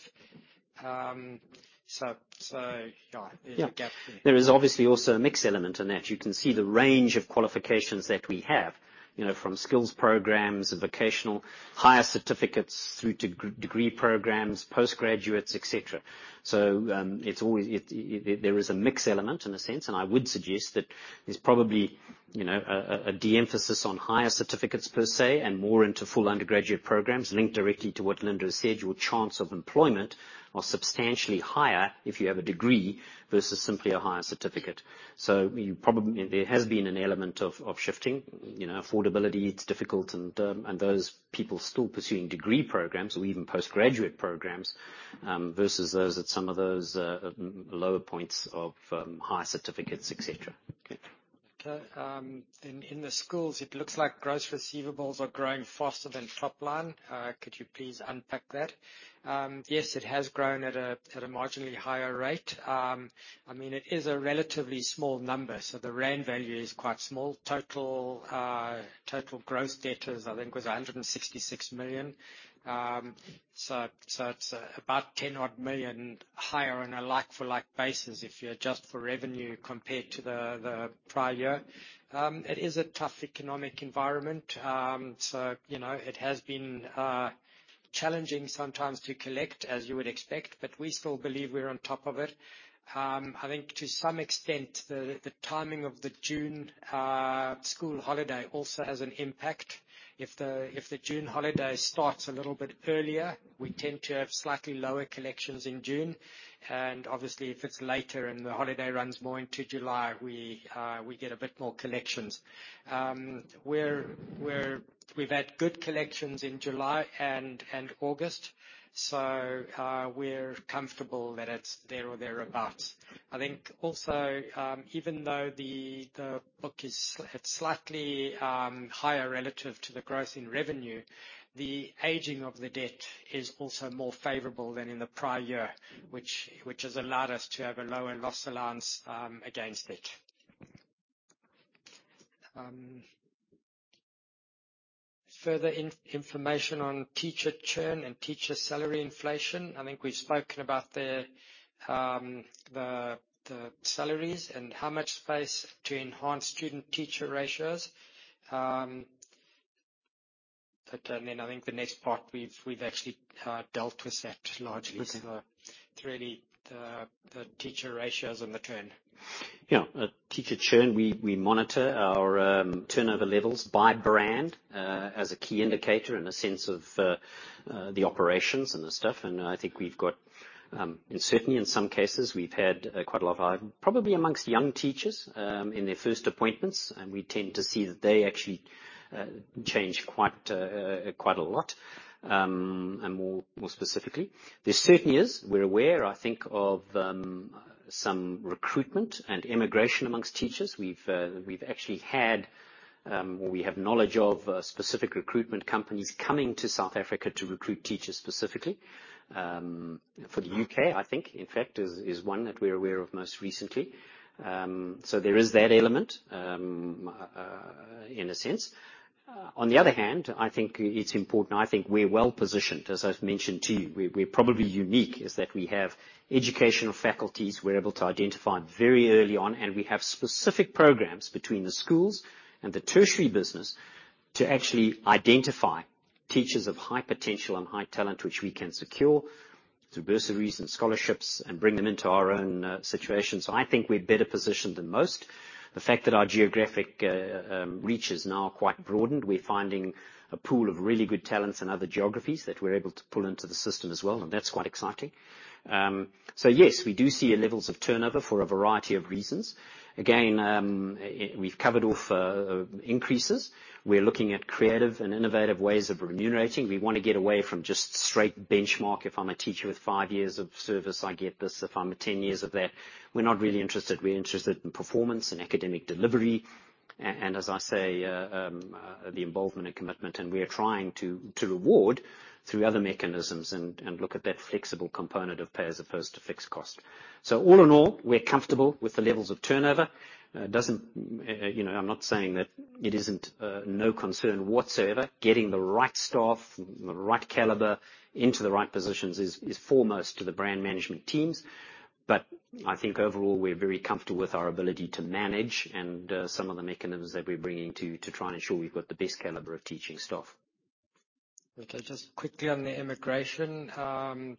Yeah. There's a gap there. Yeah. There is obviously also a mix element in that. You can see the range of qualifications that we have. You know, from skills programs, vocational, higher certificates through degree programs, postgraduates, et cetera. There is a mix element in a sense, and I would suggest that there's probably, you know, a de-emphasis on higher certificates per se, and more into full undergraduate programs linked directly to what Linda said. Your chance of employment are substantially higher if you have a degree versus simply a higher certificate. There has been an element of shifting. You know, affordability, it's difficult and those people still pursuing degree programs or even postgraduate programs versus those at some of those lower points of higher certificates, et cetera. Okay. Okay. In the schools, it looks like gross receivables are growing faster than top line. Could you please unpack that? Yes, it has grown at a marginally higher rate. I mean, it is a relatively small number, so the rand value is quite small. Total gross debt is, I think, was 166 million. So it's about 10-odd million higher on a like for like basis if you adjust for revenue compared to the prior year. It is a tough economic environment. So, you know, it has been challenging sometimes to collect, as you would expect, but we still believe we're on top of it. I think to some extent, the timing of the June school holiday also has an impact. If the June holiday starts a little bit earlier, we tend to have slightly lower collections in June. Obviously, if it's later and the holiday runs more into July, we get a bit more collections. We've had good collections in July and August, so we're comfortable that it's there or thereabout. I think also, even though the book is slightly higher relative to the growth in revenue, the aging of the debt is also more favorable than in the prior year, which has allowed us to have a lower loss allowance against it. Further information on teacher churn and teacher salary inflation. I think we've spoken about the salaries and how much space to enhance student-teacher ratios. I think the next part we've actually dealt with that largely. Okay. It is really the teacher ratios and the churn. Teacher churn, we monitor our turnover levels by brand as a key indicator and a sense of the operations and the staff. I think certainly in some cases, we've had quite a lot of. Probably among young teachers in their first appointments, and we tend to see that they actually change quite a lot, and more specifically. There certainly is. We're aware, I think, of some recruitment and emigration among teachers. We've actually had, or we have knowledge of specific recruitment companies coming to South Africa to recruit teachers specifically for the U.K., I think. In fact, it's one that we're aware of most recently. There is that element in a sense. On the other hand, I think it's important. I think we're well-positioned, as I've mentioned to you. We're probably unique, is that we have educational faculties we're able to identify very early on, and we have specific programs between the schools and the tertiary business to actually identify teachers of high potential and high talent, which we can secure through bursaries and scholarships and bring them into our own situation. I think we're better positioned than most. The fact that our geographic reach is now quite broadened, we're finding a pool of really good talents in other geographies that we're able to pull into the system as well, and that's quite exciting. Yes, we do see levels of turnover for a variety of reasons. Again, we've covered off increases. We're looking at creative and innovative ways of remunerating. We wanna get away from just straight benchmark. If I'm a teacher with 5 years of service, I get this. If I'm at 10 years of that. We're not really interested. We're interested in performance and academic delivery. And as I say, the involvement and commitment, and we are trying to reward through other mechanisms and look at that flexible component of pay as opposed to fixed cost. All in all, we're comfortable with the levels of turnover. It doesn't, you know, I'm not saying that it isn't no concern whatsoever. Getting the right staff, the right caliber into the right positions is foremost to the brand management teams. I think overall, we're very comfortable with our ability to manage and some of the mechanisms that we're bringing to try and ensure we've got the best caliber of teaching staff. Okay. Just quickly on the immigration.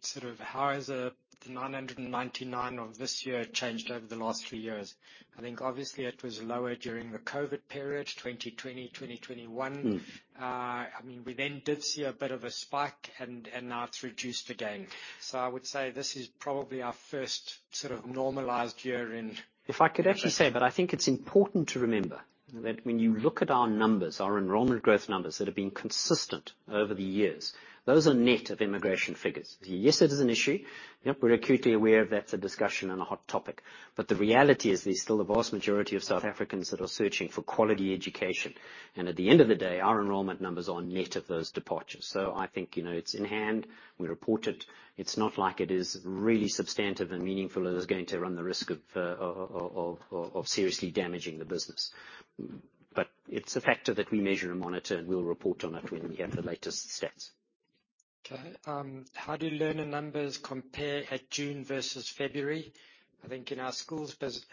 Sort of how is the 999 of this year changed over the last three years? I think obviously it was lower during the COVID period, 2020, 2021. I mean, we then did see a bit of a spike, and now it's reduced again. I would say this is probably our first sort of normalized year in- If I could actually say, but I think it's important to remember that when you look at our numbers, our enrollment growth numbers that have been consistent over the years, those are net of immigration figures. Yes, it is an issue. Yep, we're acutely aware that it's a discussion and a hot topic. The reality is there's still the vast majority of South Africans that are searching for quality education. At the end of the day, our enrollment numbers are net of those departures. I think, you know, it's in hand, we report it. It's not like it is really substantive and meaningful, and it is going to run the risk of seriously damaging the business. It's a factor that we measure and monitor, and we'll report on it when we have the latest stats. How do learner numbers compare at June versus February? I think in our schools business,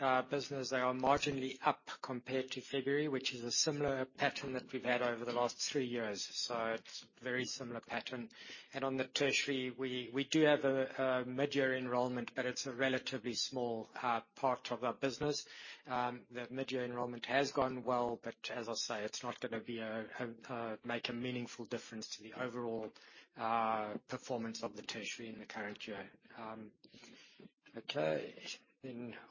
they are marginally up compared to February, which is a similar pattern that we've had over the last three years. It's a very similar pattern. On the tertiary, we do have a mid-year enrollment, but it's a relatively small part of our business. The mid-year enrollment has gone well, but as I say, it's not gonna make a meaningful difference to the overall performance of the tertiary in the current year.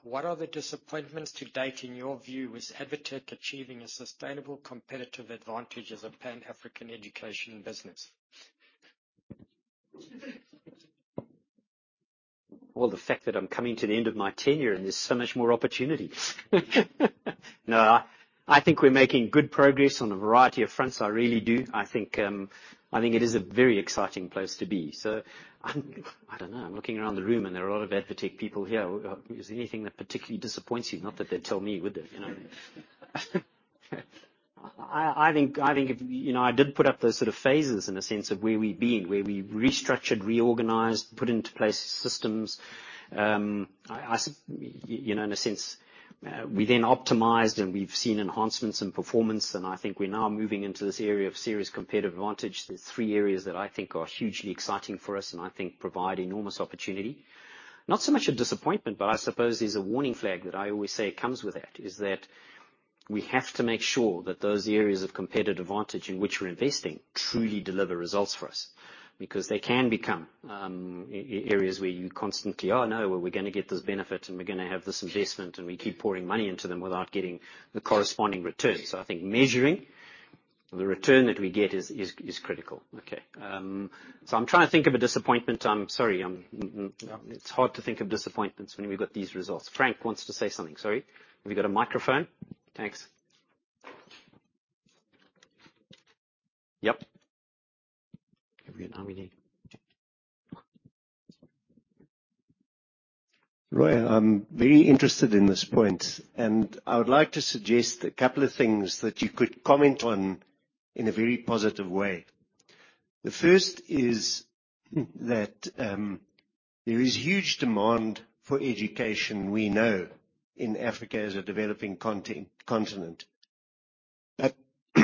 What are the disappointments to date, in your view? Is ADvTECH achieving a sustainable competitive advantage as a Pan-African education business? Well, the fact that I'm coming to the end of my tenure, and there's so much more opportunity. No, I think we're making good progress on a variety of fronts. I really do. I think it is a very exciting place to be. I don't know. I'm looking around the room, and there are a lot of ADvTECH people here. Is there anything that particularly disappoints you? Not that they'd tell me, would they? You know. I think if you know, I did put up those sort of phases in the sense of where we've been, where we restructured, reorganized, put into place systems. You know, in a sense, we then optimized, and we've seen enhancements in performance. I think we're now moving into this area of serious competitive advantage. There's three areas that I think are hugely exciting for us and I think provide enormous opportunity. Not so much a disappointment, but I suppose there's a warning flag that I always say comes with that, is that we have to make sure that those areas of competitive advantage in which we're investing truly deliver results for us because they can become areas where you constantly, "Oh, no. We're gonna get this benefit, and we're gonna have this investment," and we keep pouring money into them without getting the corresponding return. I think measuring the return that we get is critical. Okay. So I'm trying to think of a disappointment. I'm sorry. It's hard to think of disappointments when we've got these results. Frank wants to say something. Sorry. Have you got a microphone? Thanks. Yep. Have you an army there? Roy, I'm very interested in this point, and I would like to suggest a couple of things that you could comment on in a very positive way. The first is that there is huge demand for education, we know, in Africa as a developing continent.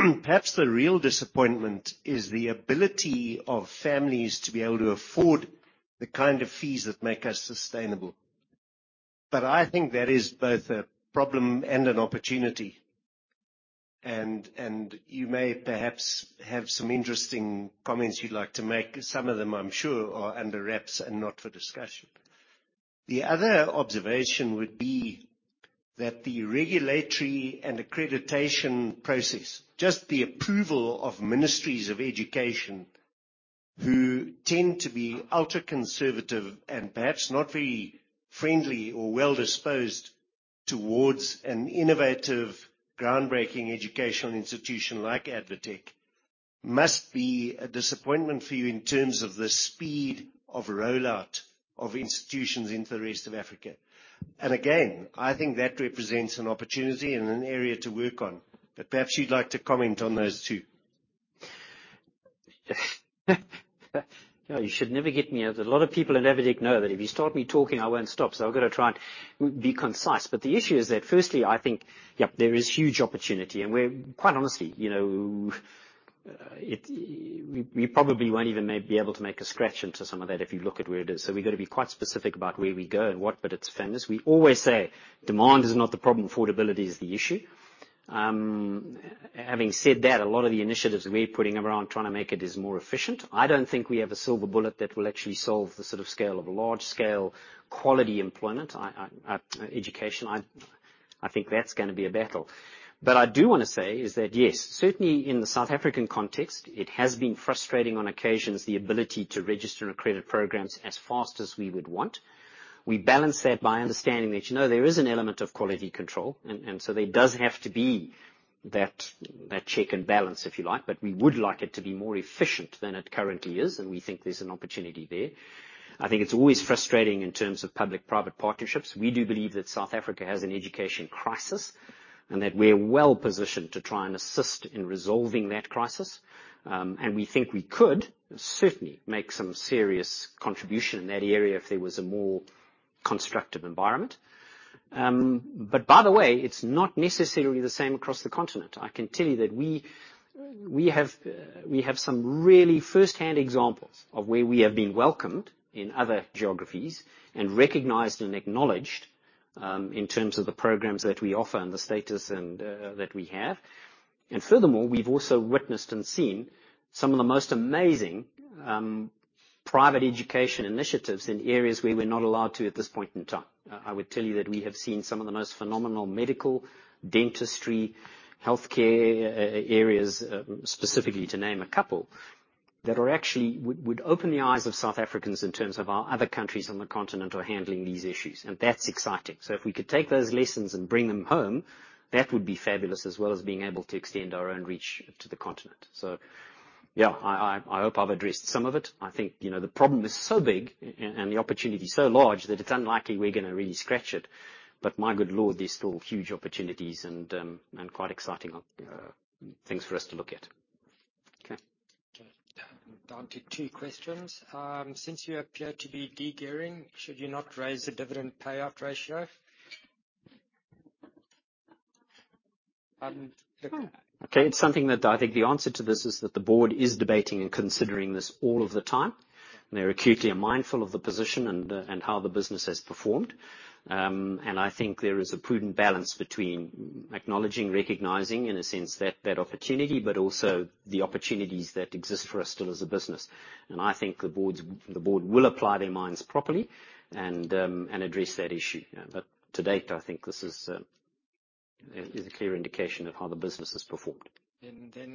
Perhaps the real disappointment is the ability of families to be able to afford the kind of fees that make us sustainable. I think that is both a problem and an opportunity. You may perhaps have some interesting comments you'd like to make. Some of them, I'm sure, are under wraps and not for discussion. The other observation would be that the regulatory and accreditation process, just the approval of ministries of education, who tend to be ultra-conservative and perhaps not very friendly or well-disposed towards an innovative, groundbreaking educational institution like ADvTECH, must be a disappointment for you in terms of the speed of rollout of institutions into the rest of Africa. Again, I think that represents an opportunity and an area to work on, but perhaps you'd like to comment on those too. No, you should never get me. A lot of people at ADvTECH know that if you start me talking, I won't stop. I'm gonna try and be concise. The issue is that firstly, I think, yep, there is huge opportunity, and we're quite honestly, you know, we probably won't even be able to make a scratch into some of that if you look at where it is. We've got to be quite specific about where we go and what, but it's massive. We always say demand is not the problem, affordability is the issue. Having said that, a lot of the initiatives we're putting around trying to make it more efficient. I don't think we have a silver bullet that will actually solve the scale of large-scale quality education. I think that's gonna be a battle. I do wanna say is that, yes, certainly in the South African context, it has been frustrating on occasions, the ability to register and accredit programs as fast as we would want. We balance that by understanding that, you know, there is an element of quality control, and so there does have to be that check and balance, if you like. We would like it to be more efficient than it currently is, and we think there's an opportunity there. I think it's always frustrating in terms of public-private partnerships. We do believe that South Africa has an education crisis, and that we're well-positioned to try and assist in resolving that crisis. We think we could certainly make some serious contribution in that area if there was a more constructive environment. By the way, it's not necessarily the same across the continent. I can tell you that we have some really first-hand examples of where we have been welcomed in other geographies and recognized and acknowledged in terms of the programs that we offer and the status and that we have. Furthermore, we've also witnessed and seen some of the most amazing private education initiatives in areas where we're not allowed to at this point in time. I would tell you that we have seen some of the most phenomenal medical, dentistry, healthcare areas, specifically to name a couple, that are actually would open the eyes of South Africans in terms of how other countries on the continent are handling these issues, and that's exciting. If we could take those lessons and bring them home, that would be fabulous, as well as being able to extend our own reach to the continent. Yeah. I hope I've addressed some of it. I think, you know, the problem is so big and the opportunity so large that it's unlikely we're gonna really scratch it. My good Lord, there's still huge opportunities and quite exciting things for us to look at. Okay. Okay. Down to two questions. Since you appear to be de-gearing, should you not raise the dividend payout ratio? Okay. It's something that I think the answer to this is that the board is debating and considering this all of the time. They're acutely aware of the position and how the business has performed. I think there is a prudent balance between acknowledging, recognizing in a sense that opportunity, but also the opportunities that exist for us still as a business. The board will apply their minds properly and address that issue. To date, I think this is a clear indication of how the business has performed.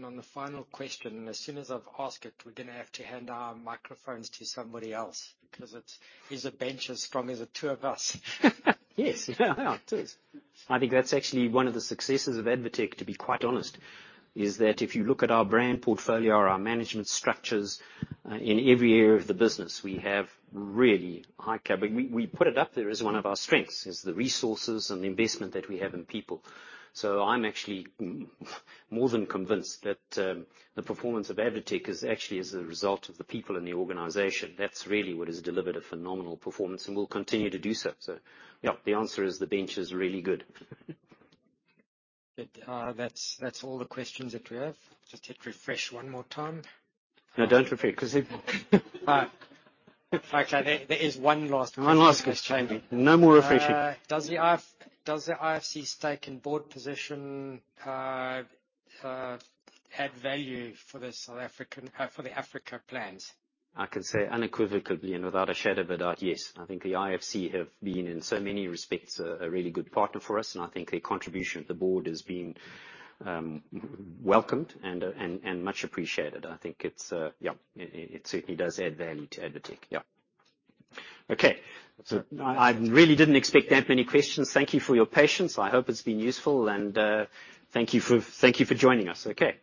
On the final question, and as soon as I've asked it, we're gonna have to hand our microphones to somebody else because it's, is a bench as strong as the two of us. Yes. Yeah. It is. I think that's actually one of the successes of ADvTECH, to be quite honest, is that if you look at our brand portfolio or our management structures in every area of the business, we have really high caliber. We put it up there as one of our strengths, is the resources and the investment that we have in people. I'm actually more than convinced that, the performance of ADvTECH is actually as a result of the people in the organization. That's really what has delivered a phenomenal performance and will continue to do so. Yeah, the answer is the bench is really good. Good. That's all the questions that we have. Just hit refresh one more time. No, don't refresh 'cause it. All right. Okay. There is one last question. One last question. No more refreshing. Does the IFC stake and board position add value for the South African for the African plans? I can say unequivocally and without a shadow of a doubt, yes. I think the IFC have been, in so many respects, a really good partner for us, and I think their contribution at the board has been welcomed and much appreciated. I think it's, yeah. It certainly does add value to ADvTECH. Yeah. Okay. I really didn't expect that many questions. Thank you for your patience. I hope it's been useful and thank you for joining us. Okay.